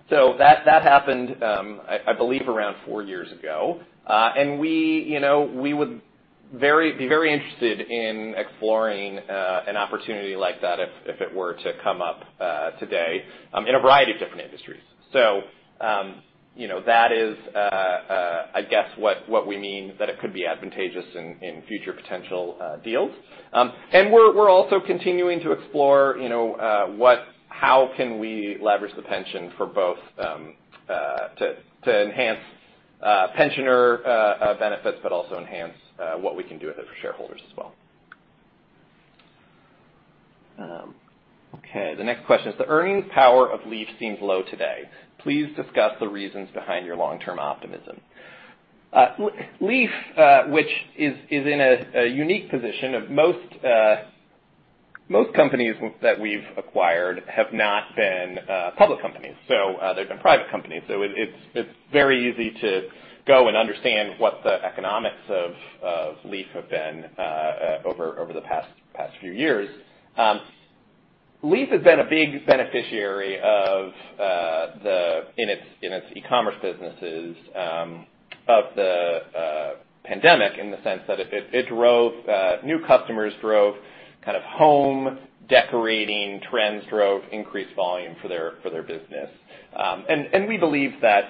That happened, I believe, around four years ago. We would be very interested in exploring an opportunity like that if it were to come up today in a variety of different industries. That is, I guess, what we mean that it could be advantageous in future potential deals. We're also continuing to explore how can we leverage the pension for both to enhance pensioner benefits, but also enhance what we can do with it for shareholders as well. The next question is, the earnings power of Leaf seems low today. Please discuss the reasons behind your long-term optimism. Leaf, which is in a unique position of most companies that we've acquired have not been public companies. They've been private companies. It's very easy to go and understand what the economics of Leaf have been over the past few years. Leaf has been a big beneficiary in its e-commerce businesses of the pandemic in the sense that it drove new customers, drove home decorating trends, drove increased volume for their business. We believe that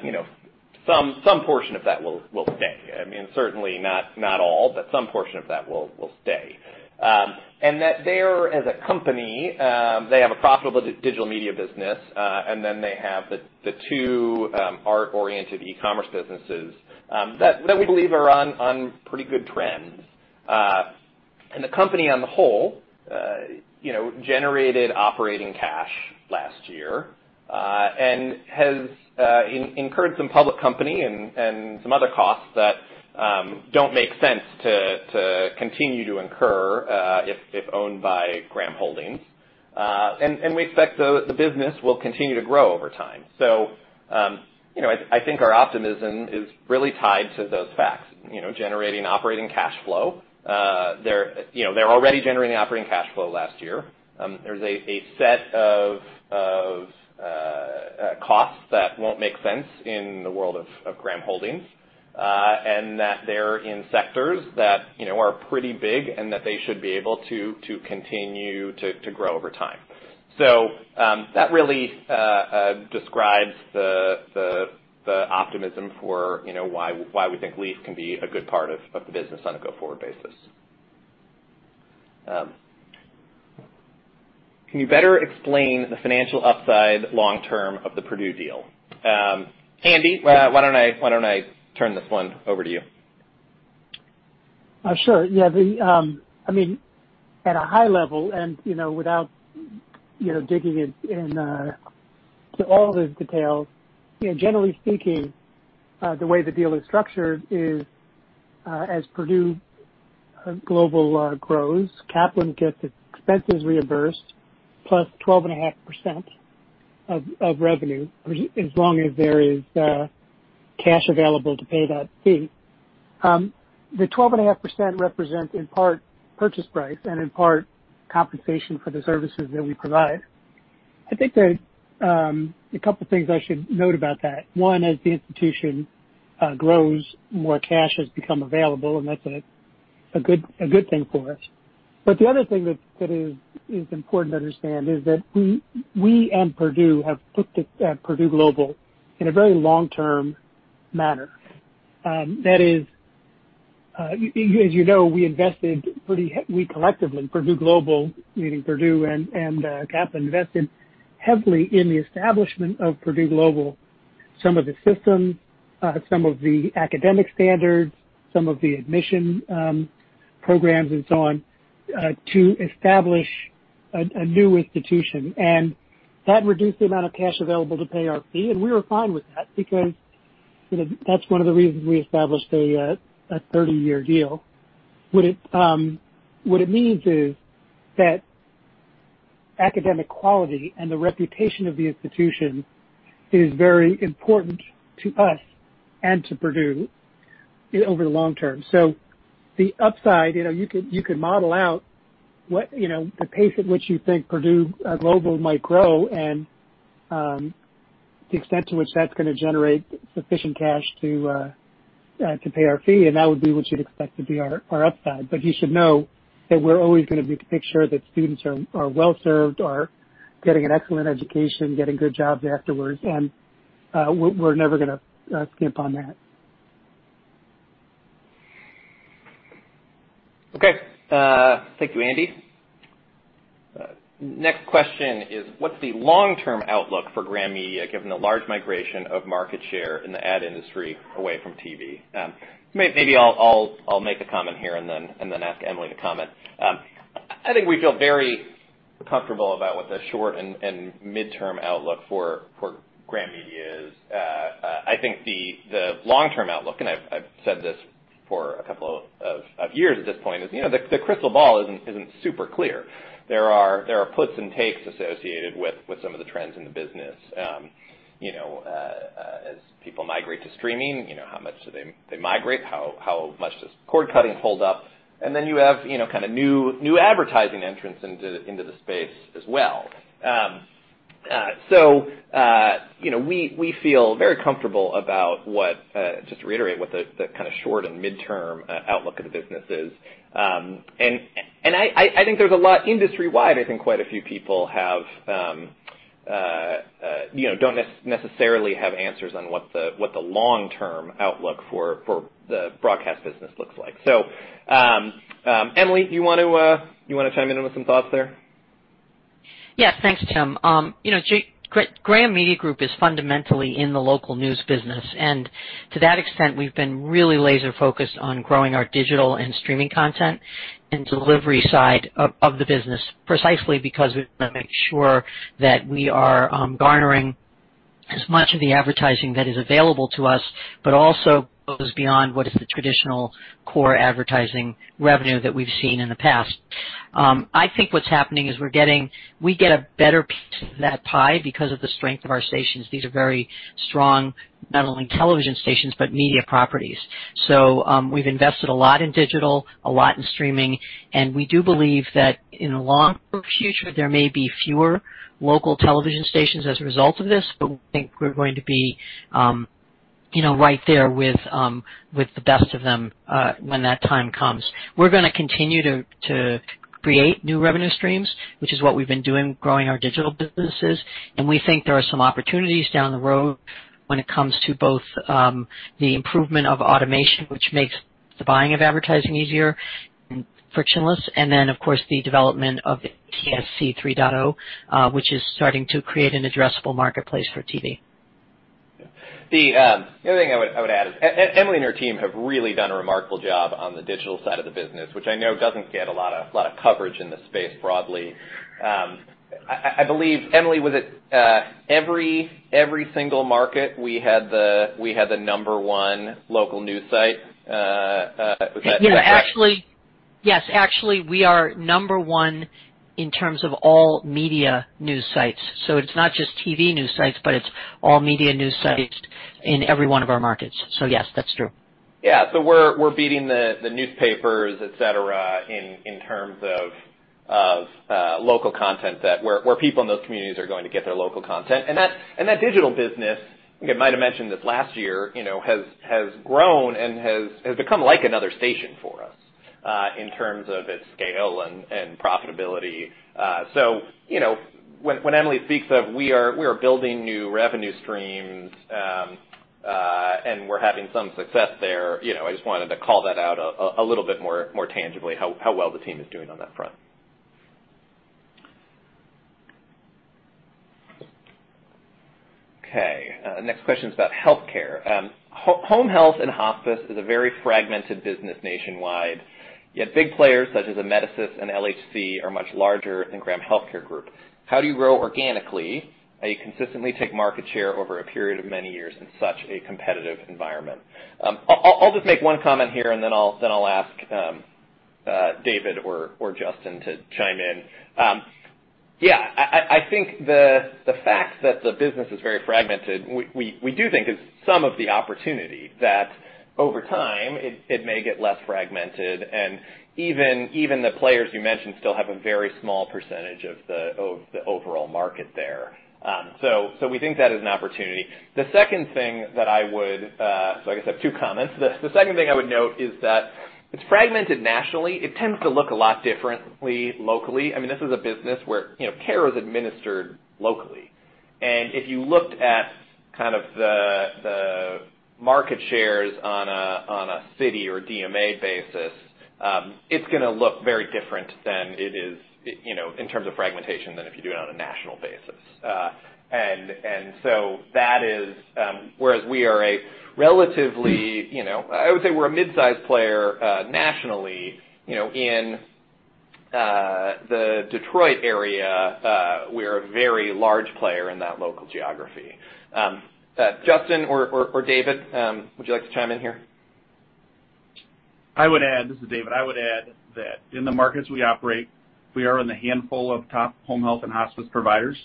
some portion of that will stay. I mean, certainly not all, but some portion of that will stay. That they're, as a company, they have a profitable digital media business, and then they have the two art-oriented e-commerce businesses that we believe are on pretty good trends. The company on the whole generated operating cash last year, and has incurred some public company and some other costs that don't make sense to continue to incur if owned by Graham Holdings. We expect the business will continue to grow over time. I think our optimism is really tied to those facts. Generating operating cash flow. They're already generating operating cash flow last year. There's a set of costs that won't make sense in the world of Graham Holdings, and that they're in sectors that are pretty big and that they should be able to continue to grow over time. That really describes the optimism for why we think Leaf can be a good part of the business on a go-forward basis. Can you better explain the financial upside long term of the Purdue deal? Andy, why don't I turn this one over to you? At a high level and without digging in to all the details, generally speaking, the way the deal is structured is, as Purdue Global grows, Kaplan gets its expenses reimbursed plus 12.5% of revenue, as long as there is cash available to pay that fee. The 12.5% represents, in part, purchase price, and in part, compensation for the services that we provide. I think there are a couple things I should note about that. One, as the institution grows, more cash has become available, and that's a good thing for us. The other thing that is important to understand is that we and Purdue have looked at Purdue Global in a very long-term manner. That is. As you know, we collectively, Purdue Global, meaning Purdue and Kaplan invested heavily in the establishment of Purdue Global. Some of the systems, some of the academic standards, some of the admission programs, and so on, to establish a new institution. That reduced the amount of cash available to pay our fee, and we were fine with that because that's one of the reasons we established a 30 year deal. What it means is that academic quality and the reputation of the institution is very important to us and to Purdue over the long term. The upside, you could model out the pace at which you think Purdue Global might grow and the extent to which that's going to generate sufficient cash to pay our fee, and that would be what you'd expect to be our upside. You should know that we're always going to make sure that students are well-served, are getting an excellent education, getting good jobs afterwards, and we're never going to skimp on that. Thank you, Andy. Next question is, what's the long-term outlook for Graham Media, given the large migration of market share in the ad industry away from TV? Maybe I'll make a comment here and then ask Emily to comment. I think we feel very comfortable about what the short- and mid-term outlook for Graham Media is. I think the long-term outlook, and I've said this for a couple of years at this point is, the crystal ball isn't super clear. There are puts and takes associated with some of the trends in the business. As people migrate to streaming, how much do they migrate? How much does cord cutting hold up? Then you have kind of new advertising entrants into the space as well. We feel very comfortable about what, just to reiterate, what the kind of short- and mid-term outlook of the business is. I think there's a lot industry-wide, I think quite a few people don't necessarily have answers on what the long-term outlook for the broadcast business looks like. Emily, do you want to chime in with some thoughts there? Thanks, Tim. Graham Media Group is fundamentally in the local news business. To that extent, we've been really laser-focused on growing our digital and streaming content and delivery side of the business, precisely because we want to make sure that we are garnering as much of the advertising that is available to us, but also goes beyond what is the traditional core advertising revenue that we've seen in the past. I think what's happening is we get a better piece of that pie because of the strength of our stations. These are very strong, not only television stations, but media properties. We've invested a lot in digital, a lot in streaming, and we do believe that in the long-term future, there may be fewer local television stations as a result of this, but we think we're going to be right there with the best of them when that time comes. We're going to continue to create new revenue streams, which is what we've been doing, growing our digital businesses. We think there are some opportunities down the road when it comes to both the improvement of automation, which makes the buying of advertising easier and frictionless, and then, of course, the development of the ATSC 3.0, which is starting to create an addressable marketplace for TV. The other thing I would add is, Emily and her team have really done a remarkable job on the digital side of the business, which I know doesn't get a lot of coverage in the space broadly. I believe, Emily, was it every single market we had the number one local news site? Yes, actually, we are number one in terms of all media news sites. It's not just TV news sites, but it's all media news sites in every one of our markets. Yes, that's true. We're beating the newspapers, et cetera, in terms of local content, where people in those communities are going to get their local content. That digital business, I might have mentioned this last year, has grown and has become like another station for us in terms of its scale and profitability. When Emily speaks of we are building new revenue streams, and we're having some success there, I just wanted to call that out a little bit more tangibly, how well the team is doing on that front. Next question's about healthcare. Home health and hospice is a very fragmented business nationwide, yet big players such as Amedisys and LHC are much larger than Graham Healthcare Group. How do you grow organically and consistently take market share over a period of many years in such a competitive environment? I'll just make one comment here, and then I'll ask David or Justin to chime in. I think the fact that the business is very fragmented, we do think is some of the opportunity that over time, it may get less fragmented and even the players you mentioned still have a very small percentage of the overall market there. We think that is an opportunity. I guess I have two comments. The second thing I would note is that it's fragmented nationally. It tends to look a lot differently locally. This is a business where care is administered locally. And if you looked at the market shares on a city or DMA basis, it's going to look very different than it is in terms of fragmentation than if you do it on a national basis. Whereas we are a relatively, I would say we're a mid-size player nationally. In the Detroit area, we're a very large player in that local geography. Justin or David, would you like to chime in here? This is David. I would add that in the markets we operate, we are in the handful of top home health and hospice providers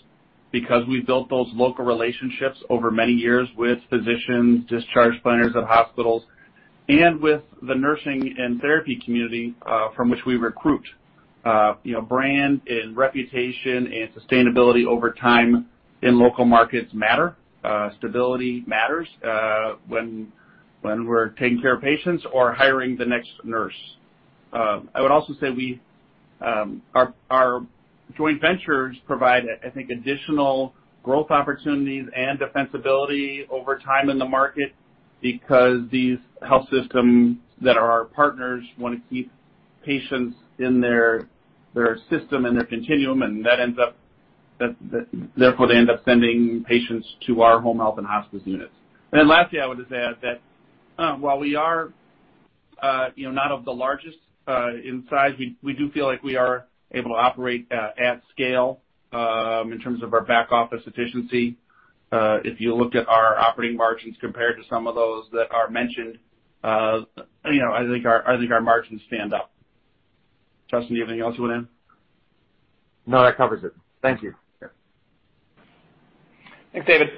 because we've built those local relationships over many years with physicians, discharge planners at hospitals, and with the nursing and therapy community, from which we recruit. Brand and reputation and sustainability over time in local markets matter. Stability matters, when we're taking care of patients or hiring the next nurse. I would also say our joint ventures provide, I think, additional growth opportunities and defensibility over time in the market because these health systems that are our partners want to keep patients in their system and their continuum, and therefore they end up sending patients to our home health and hospice units. Lastly, I would just add that while we are not of the largest in size, we do feel like we are able to operate at scale, in terms of our back office efficiency. If you looked at our operating margins compared to some of those that are mentioned, I think our margins stand up. Justin, do you have anything else you want to add? No, that covers it. Thank you. Thanks, David.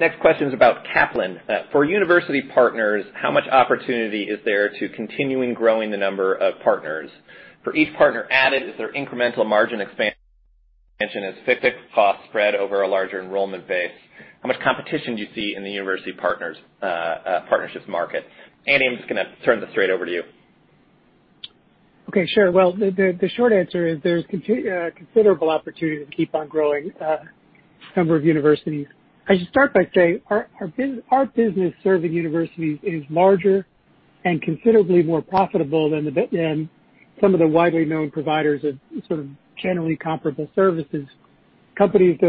Next question's about Kaplan. For university partners, how much opportunity is there to continuing growing the number of partners? For each partner added, is there incremental margin expansion as fixed costs spread over a larger enrollment base? How much competition do you see in the university partnerships market? Andy, I'm just going to turn this straight over to you. Well, the short answer is there's considerable opportunity to keep on growing the number of universities. I should start by saying, our business serving universities is larger and considerably more profitable than some of the widely known providers of sort of generally comparable services, including companies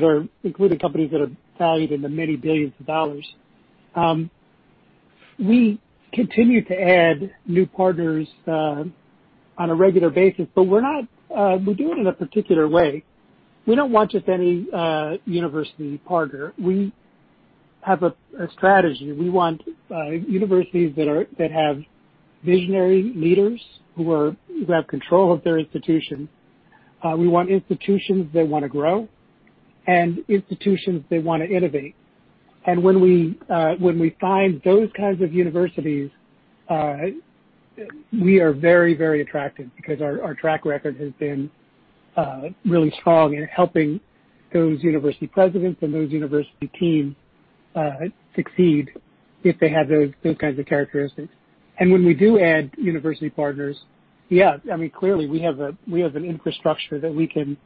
that are valued in the many billions of dollars. We continue to add new partners on a regular basis, but we do it in a particular way. We don't want just any university partner. We have a strategy. We want universities that have visionary leaders who have control of their institution. We want institutions that want to grow and institutions that want to innovate. When we find those kinds of universities, we are very attracted because our track record has been really strong in helping those university presidents and those university teams succeed if they have those kinds of characteristics. When we do add university partners, clearly, we have an infrastructure that we can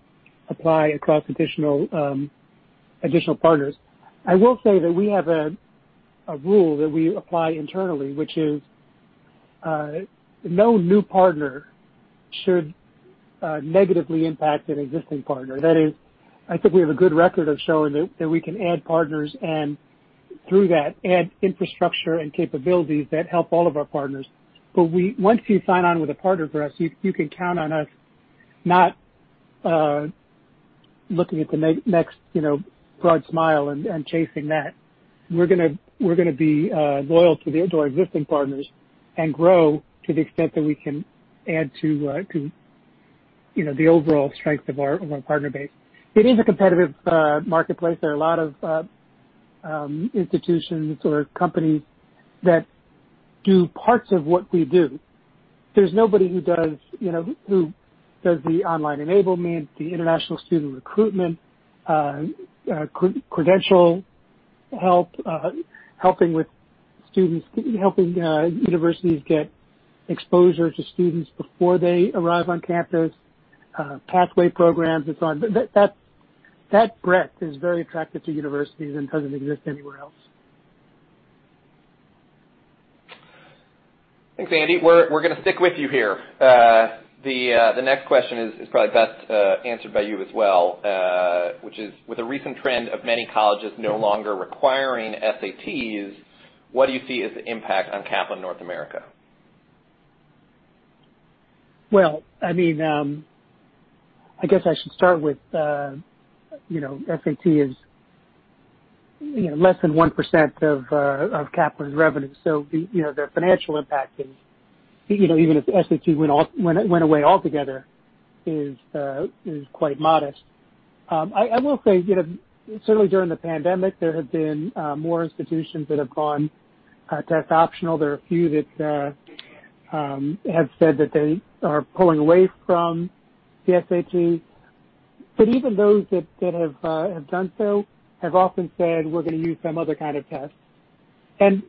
apply across additional partners. I will say that we have a rule that we apply internally, which is, no new partner should negatively impact an existing partner. That is, I think we have a good record of showing that we can add partners and through that, add infrastructure and capabilities that help all of our partners. Once you sign on with a partner for us, you can count on us not looking at the next broad smile and chasing that. We're going to be loyal to our existing partners and grow to the extent that we can add to the overall strength of our partner base. It is a competitive marketplace. There are a lot of institutions or companies that do parts of what we do. There's nobody who does the online enablement, the international student recruitment, credential help, helping universities get exposure to students before they arrive on campus, pathway programs. That breadth is very attractive to universities and doesn't exist anywhere else. Thanks, Andy. We're going to stick with you here. The next question is probably best answered by you as well, which is, with the recent trend of many colleges no longer requiring SATs, what do you see as the impact on Kaplan North America? I guess I should start with SAT is less than 1% of Kaplan's revenue. The financial impact, even if the SAT went away altogether, is quite modest. I will say, certainly during the pandemic, there have been more institutions that have gone test optional. There are a few that have said that they are pulling away from the SAT. Even those that have done so have often said, "We're going to use some other kind of test."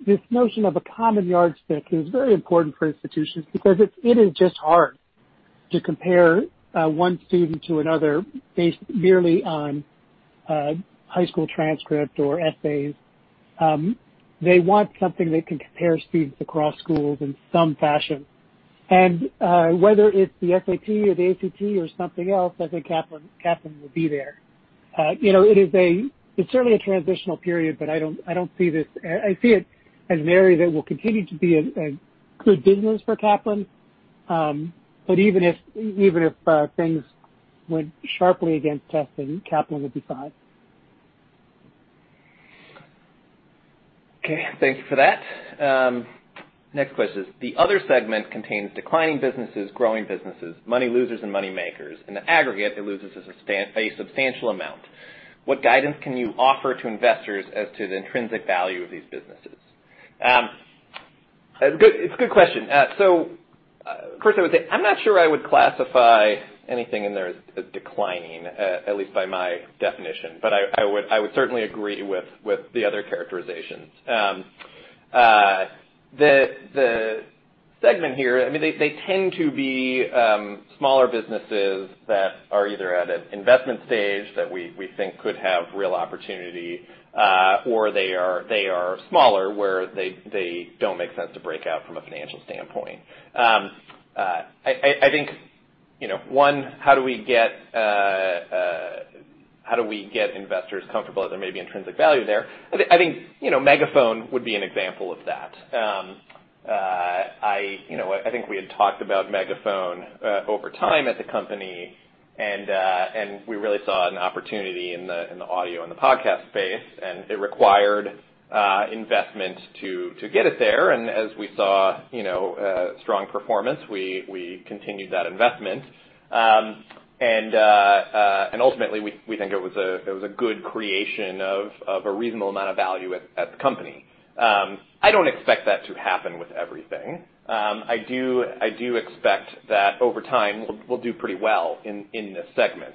This notion of a common yardstick is very important for institutions because it is just hard to compare one student to another based merely on high school transcript or essays. They want something they can compare students across schools in some fashion. Whether it's the SAT or the ACT or something else, I think Kaplan will be there. It's certainly a transitional period, I see it as an area that will continue to be a good business for Kaplan. Even if things went sharply against testing, Kaplan would be fine. Thanks for that. Next question is: the other segment contains declining businesses, growing businesses, money losers, and money makers. In the aggregate, it loses a substantial amount. What guidance can you offer to investors as to the intrinsic value of these businesses? It's a good question. First I would say, I'm not sure I would classify anything in there as declining, at least by my definition. I would certainly agree with the other characterizations. The segment here, they tend to be smaller businesses that are either at an investment stage that we think could have real opportunity, or they are smaller where they don't make sense to break out from a financial standpoint. I think, one, how do we get investors comfortable that there may be intrinsic value there? I think Megaphone would be an example of that. I think we had talked about Megaphone over time at the company. We really saw an opportunity in the audio and the podcast space. It required investment to get it there. As we saw strong performance, we continued that investment. Ultimately, we think it was a good creation of a reasonable amount of value at the company. I don't expect that to happen with everything. I do expect that over time, we'll do pretty well in this segment.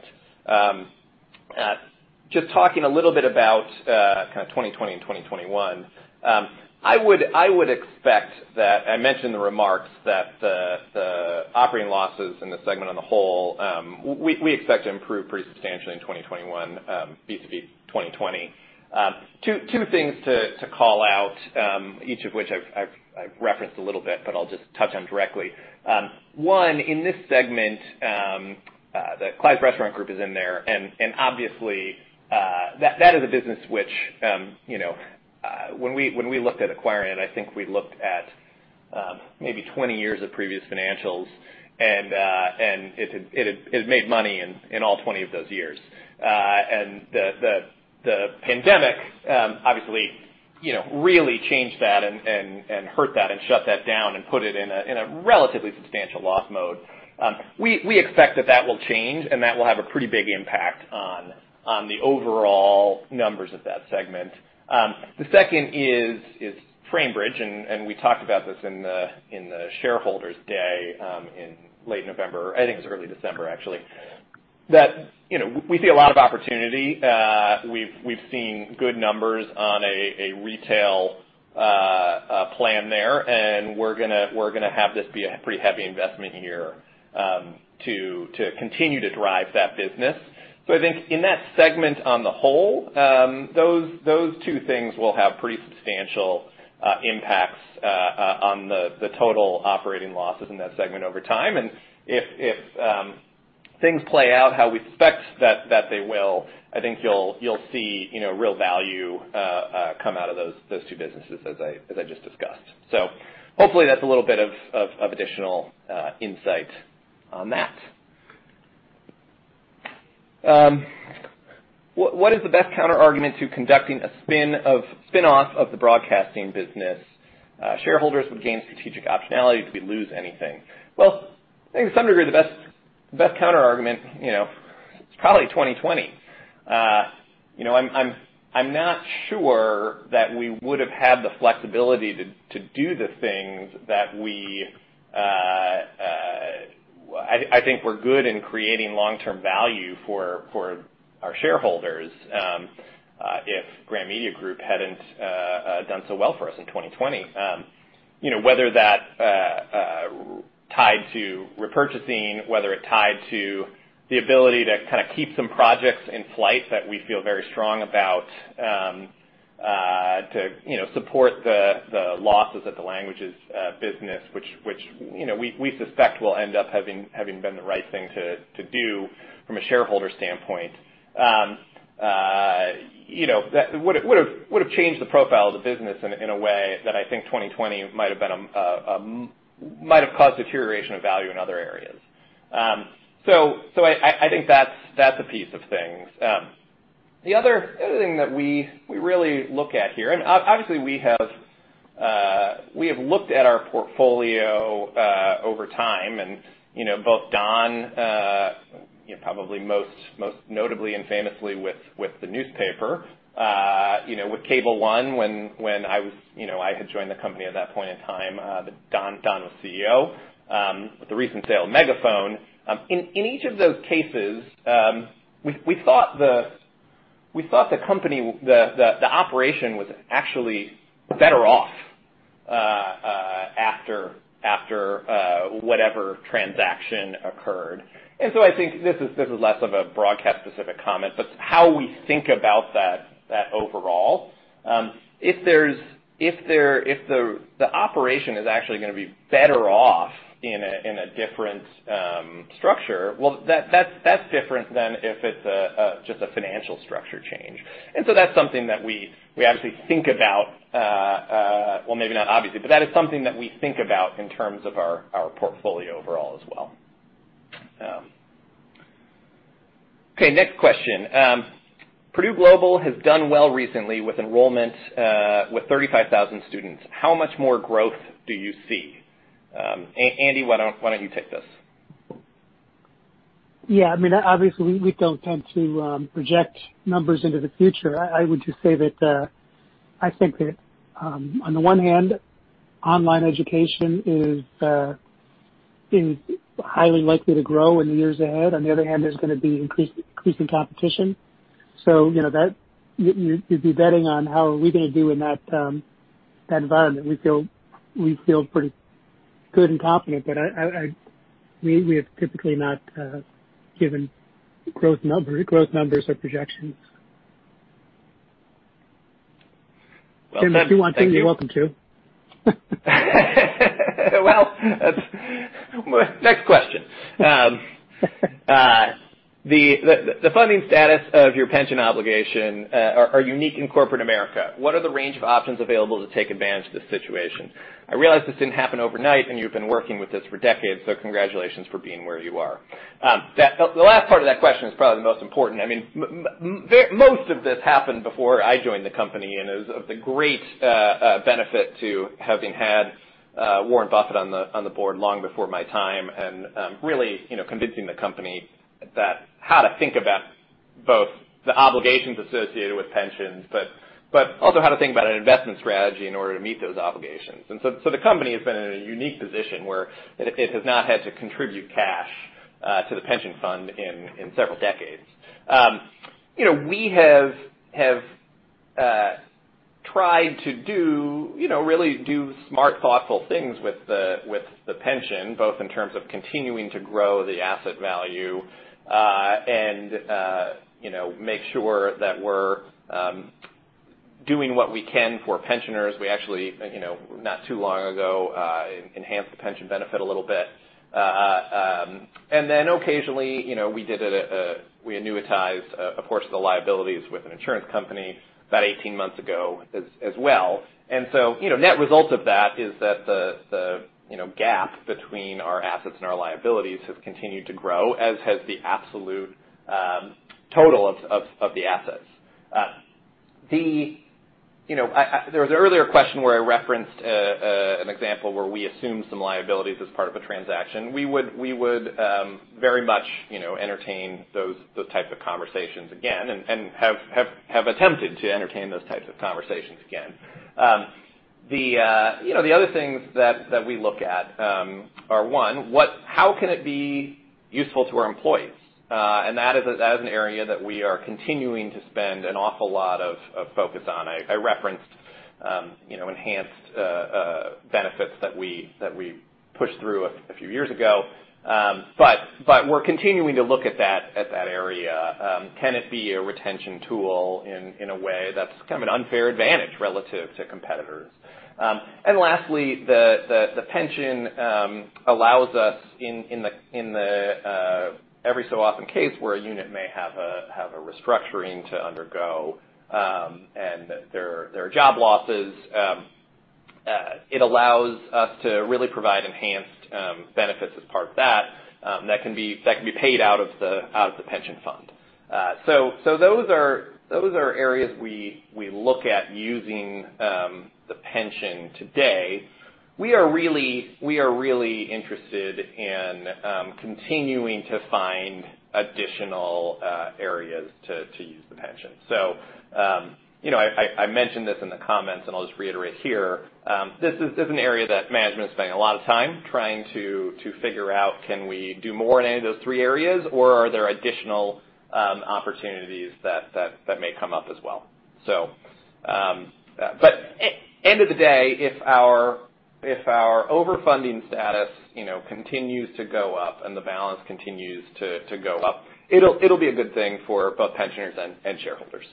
Just talking a little bit about kind of 2020 and 2021, I mentioned the remarks that the operating losses in the segment on the whole, we expect to improve pretty substantially in 2021 vis-à-vis 2020. Two things to call out, each of which I've referenced a little bit. I'll just touch on directly. One, in this segment, the Clyde's Restaurant Group is in there, and obviously, that is a business which when we looked at acquiring it, I think we looked at maybe 20 years of previous financials, and it had made money in all 20 of those years. The pandemic obviously really changed that and hurt that and shut that down and put it in a relatively substantial loss mode. We expect that that will change, and that will have a pretty big impact on the overall numbers of that segment. The second is Framebridge, and we talked about this in the shareholders' day in late November. I think it was early December, actually. That we see a lot of opportunity. We've seen good numbers on a retail plan there, and we're gonna have this be a pretty heavy investment year to continue to drive that business. I think in that segment on the whole, those two things will have pretty substantial impacts on the total operating losses in that segment over time. If things play out how we expect that they will, I think you'll see real value come out of those two businesses as I just discussed. Hopefully that's a little bit of additional insight on that. What is the best counterargument to conducting a spin-off of the broadcasting business? Shareholders would gain strategic optionality. Do we lose anything? I think to some degree, the best counterargument is probably 2020. I'm not sure that we would have had the flexibility to do the things that we I think were good in creating long-term value for our shareholders if Graham Media Group hadn't done so well for us in 2020. Whether that tied to repurchasing, whether it tied to the ability to kind of keep some projects in flight that we feel very strong about to support the losses at the languages business, which we suspect will end up having been the right thing to do from a shareholder standpoint. That would've changed the profile of the business in a way that I think 2020 might have caused deterioration of value in other areas. I think that's a piece of things. The other thing that we really look at here, obviously we have looked at our portfolio over time and both Don, probably most notably and famously with the newspaper, with Cable One when I had joined the company at that point in time that Don was CEO, with the recent sale of Megaphone. In each of those cases, we thought the company, the operation was actually better off after whatever transaction occurred. I think this is less of a broadcast specific comment, but how we think about that overall. If the operation is actually going to be better off in a different structure, well, that's different than if it's just a financial structure change. That's something that we obviously think about. Well, maybe not obviously, but that is something that we think about in terms of our portfolio overall as well. Next question. Purdue Global has done well recently with enrollment with 35,000 students. How much more growth do you see? Andy, why don't you take this? I mean, obviously, we don't tend to project numbers into the future. I would just say that I think that on the one hand, online education is highly likely to grow in the years ahead. On the other hand, there's going to be increasing competition. You'd be betting on how are we going to do in that environment. We feel pretty good and confident, but we have typically not given growth numbers or projections. If you want to, you're welcome to. Well, next question. The funding status of your pension obligation are unique in corporate America. What are the range of options available to take advantage of this situation? I realize this didn't happen overnight, and you've been working with this for decades, so congratulations for being where you are. The last part of that question is probably the most important. I mean, most of this happened before I joined the company and is of the great benefit to having had Warren Buffett on the board long before my time, and really convincing the company how to think about both the obligations associated with pensions, but also how to think about an investment strategy in order to meet those obligations. The company has been in a unique position where it has not had to contribute cash to the pension fund in several decades. We have tried to really do smart, thoughtful things with the pension, both in terms of continuing to grow the asset value, and make sure that we're doing what we can for pensioners. We actually, not too long ago, enhanced the pension benefit a little bit. Occasionally, we annuitized a portion of the liabilities with an insurance company about 18 months ago as well. Net result of that is that the gap between our assets and our liabilities has continued to grow, as has the absolute total of the assets. There was an earlier question where I referenced an example where we assumed some liabilities as part of a transaction. We would very much entertain those types of conversations again and have attempted to entertain those types of conversations again. The other things that we look at are, one, how can it be useful to our employees? That is an area that we are continuing to spend an awful lot of focus on. I referenced enhanced benefits that we pushed through a few years ago. We're continuing to look at that area. Can it be a retention tool in a way that's kind of an unfair advantage relative to competitors? Lastly, the pension allows us in the every so often case where a unit may have a restructuring to undergo, and there are job losses, it allows us to really provide enhanced benefits as part of that can be paid out of the pension fund. Those are areas we look at using the pension today. We are really interested in continuing to find additional areas to use the pension. I mentioned this in the comments, and I'll just reiterate here. This is an area that management's spending a lot of time trying to figure out, can we do more in any of those three areas, or are there additional opportunities that may come up as well? End of the day, if our overfunding status continues to go up and the balance continues to go up, it'll be a good thing for both pensioners and shareholders.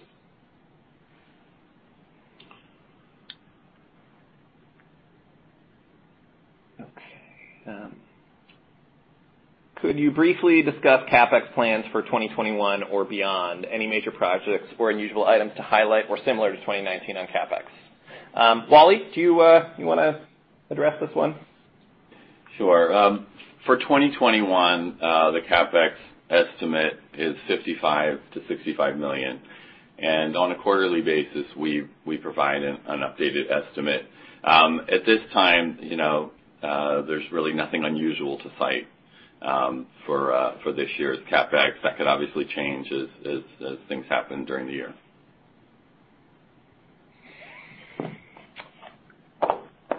Could you briefly discuss CapEx plans for 2021 or beyond? Any major projects or unusual items to highlight more similar to 2019 on CapEx? Wally, do you want to address this one? Sure. For 2021, the CapEx estimate is $55 million-$65 million. On a quarterly basis, we provide an updated estimate. At this time, there's really nothing unusual to cite for this year's CapEx. That could obviously change as things happen during the year.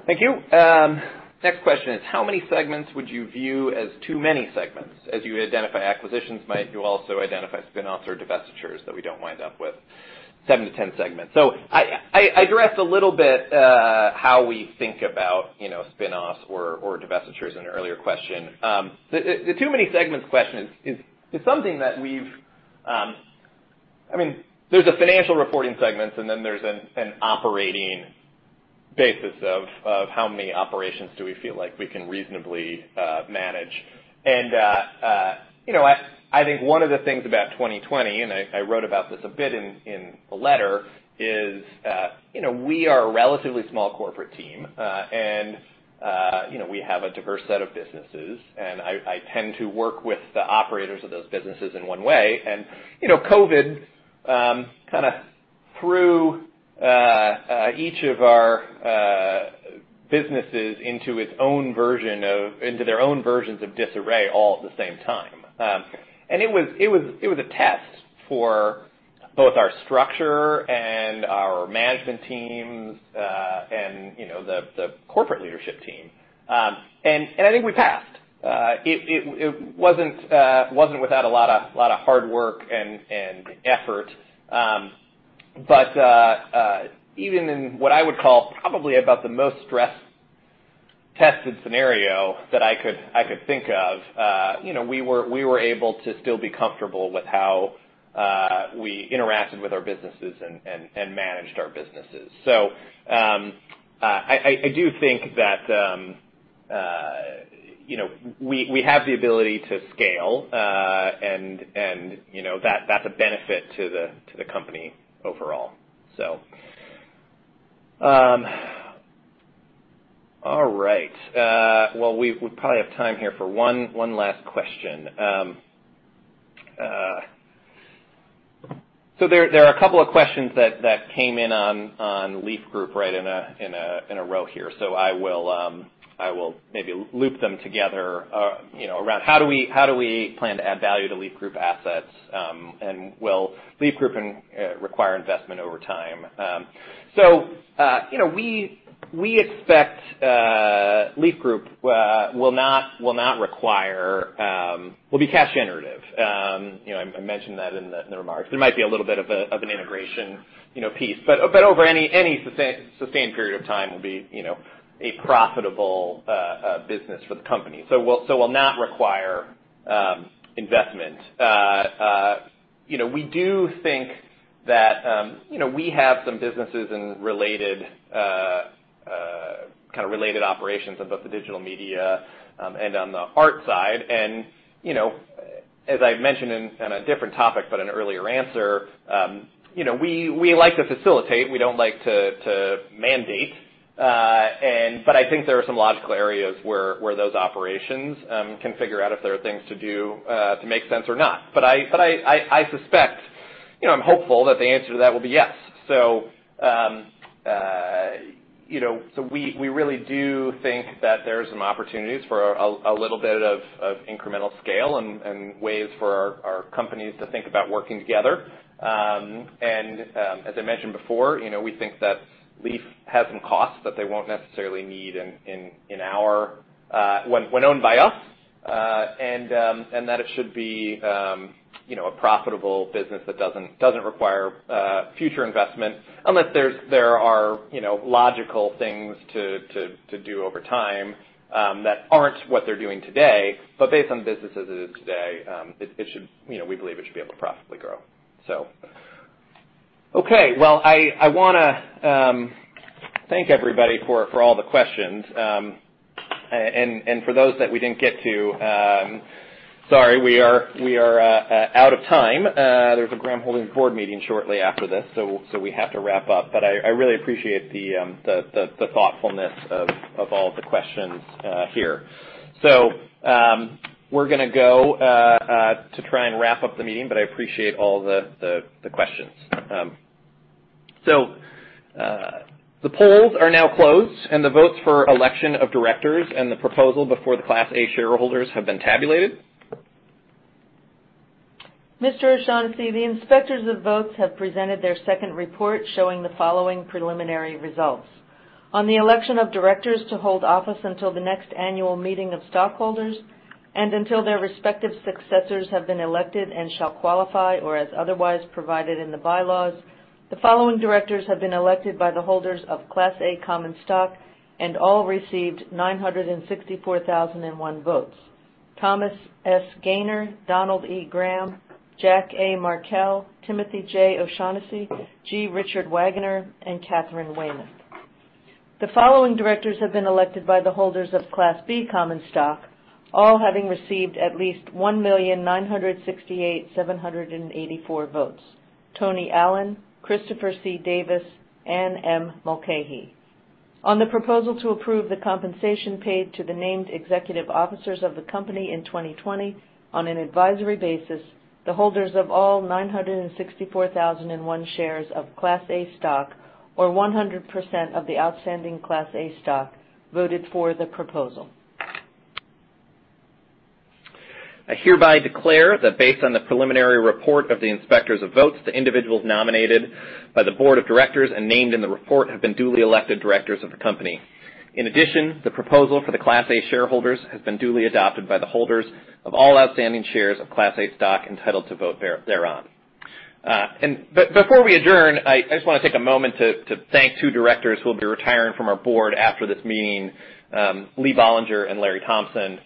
Thank you. Next question is how many segments would you view as too many segments? As you identify acquisitions, might you also identify spin-offs or divestitures that we don't wind up with? Seven to 10 segments. I addressed a little bit how we think about spin-offs or divestitures in an earlier question. The too many segments question is something that we've. There are financial reporting segments, and then there's an operating basis of how many operations do we feel like we can reasonably manage. I think one of the things about 2020, and I wrote about this a bit in a letter, is we are a relatively small corporate team, and we have a diverse set of businesses, and I tend to work with the operators of those businesses in one way. COVID kind of threw each of our businesses into their own versions of disarray all at the same time. It was a test for both our structure and our management teams and the corporate leadership team. I think we passed. It wasn't without a lot of hard work and effort. Even in what I would call probably about the most stress-tested scenario that I could think of, we were able to still be comfortable with how we interacted with our businesses and managed our businesses. I do think that we have the ability to scale, and that's a benefit to the company overall. Well, we probably have time here for one last question. There are a couple of questions that came in on Leaf Group right in a row here. I will maybe loop them together around how do we plan to add value to Leaf Group assets? Will Leaf Group require investment over time? We expect Leaf Group will be cash generative. I mentioned that in the remarks. There might be a little bit of an integration piece. Over any sustained period of time will be a profitable business for the company. Will not require investment. We do think that we have some businesses and kind of related operations on both the digital media and on the art side. As I've mentioned on a different topic, but an earlier answer, we like to facilitate, we don't like to mandate. I think there are some logical areas where those operations can figure out if there are things to do to make sense or not. I suspect, I'm hopeful that the answer to that will be yes. We really do think that there are some opportunities for a little bit of incremental scale and ways for our companies to think about working together. As I mentioned before, we think that Leaf has some costs that they won't necessarily need when owned by us. That it should be a profitable business that doesn't require future investment unless there are logical things to do over time that aren't what they're doing today. Based on the business as it is today, we believe it should be able to profitably grow. I want to thank everybody for all the questions. For those that we didn't get to, sorry, we are out of time. There's a Graham Holdings board meeting shortly after this, so we have to wrap up. I really appreciate the thoughtfulness of all the questions here. We're going to go to try and wrap up the meeting, but I appreciate all the questions. The polls are now closed, and the votes for election of directors and the proposal before the Class A shareholders have been tabulated. Mr. O'Shaughnessy, the inspectors of votes have presented their second report showing the following preliminary results. On the election of directors to hold office until the next annual meeting of stockholders and until their respective successors have been elected and shall qualify or as otherwise provided in the bylaws, the following directors have been elected by the holders of Class A common stock and all received 964,001 votes. Thomas S. Gayner, Donald E. Graham, Jack A. Markell, Timothy J. O'Shaughnessy, G. Richard Wagoner, and Katharine Weymouth. The following directors have been elected by the holders of Class B common stock, all having received at least 1,968,784 votes. Tony Allen, Christopher C. Davis, Anne M. Mulcahy. On the proposal to approve the compensation paid to the named executive officers of the company in 2020 on an advisory basis, the holders of all 964,001 shares of Class A stock, or 100% of the outstanding Class A stock, voted for the proposal. I hereby declare that based on the preliminary report of the inspectors of votes, the individuals nominated by the board of directors and named in the report have been duly elected directors of the company. The proposal for the Class A shareholders has been duly adopted by the holders of all outstanding shares of Class A stock entitled to vote thereon. Before we adjourn, I just want to take a moment to thank two directors who will be retiring from our board after this meeting, Lee Bollinger and Larry Thompson.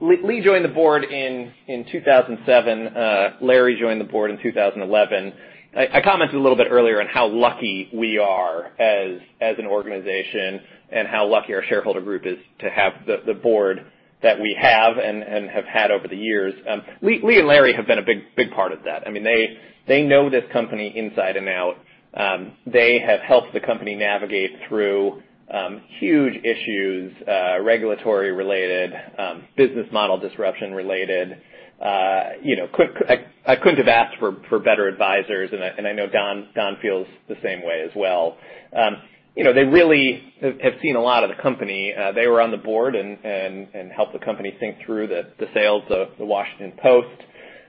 Lee joined the board in 2007. Larry joined the board in 2011. I commented a little bit earlier on how lucky we are as an organization and how lucky our shareholder group is to have the board that we have and have had over the years. Lee and Larry have been a big part of that. They know this company inside and out. They have helped the company navigate through huge issues, regulatory-related, business model disruption-related. I couldn't have asked for better advisors, and I know Don feels the same way as well. They really have seen a lot of the company. They were on the board and helped the company think through the sales of The Washington Post,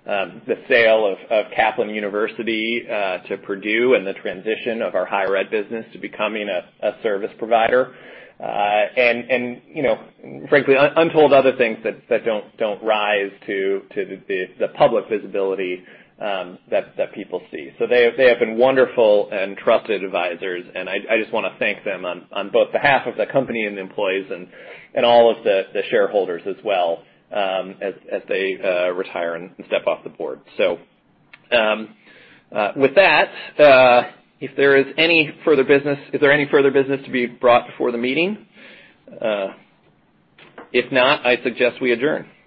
the sale of Kaplan University to Purdue, and the transition of our higher Ed business to becoming a service provider. Frankly, untold other things that don't rise to the public visibility that people see. They have been wonderful and trusted advisors, and I just want to thank them on both behalf of the company and the employees and all of the shareholders as well as they retire and step off the board. With that, is there any further business to be brought before the meeting? If not, I suggest we adjourn.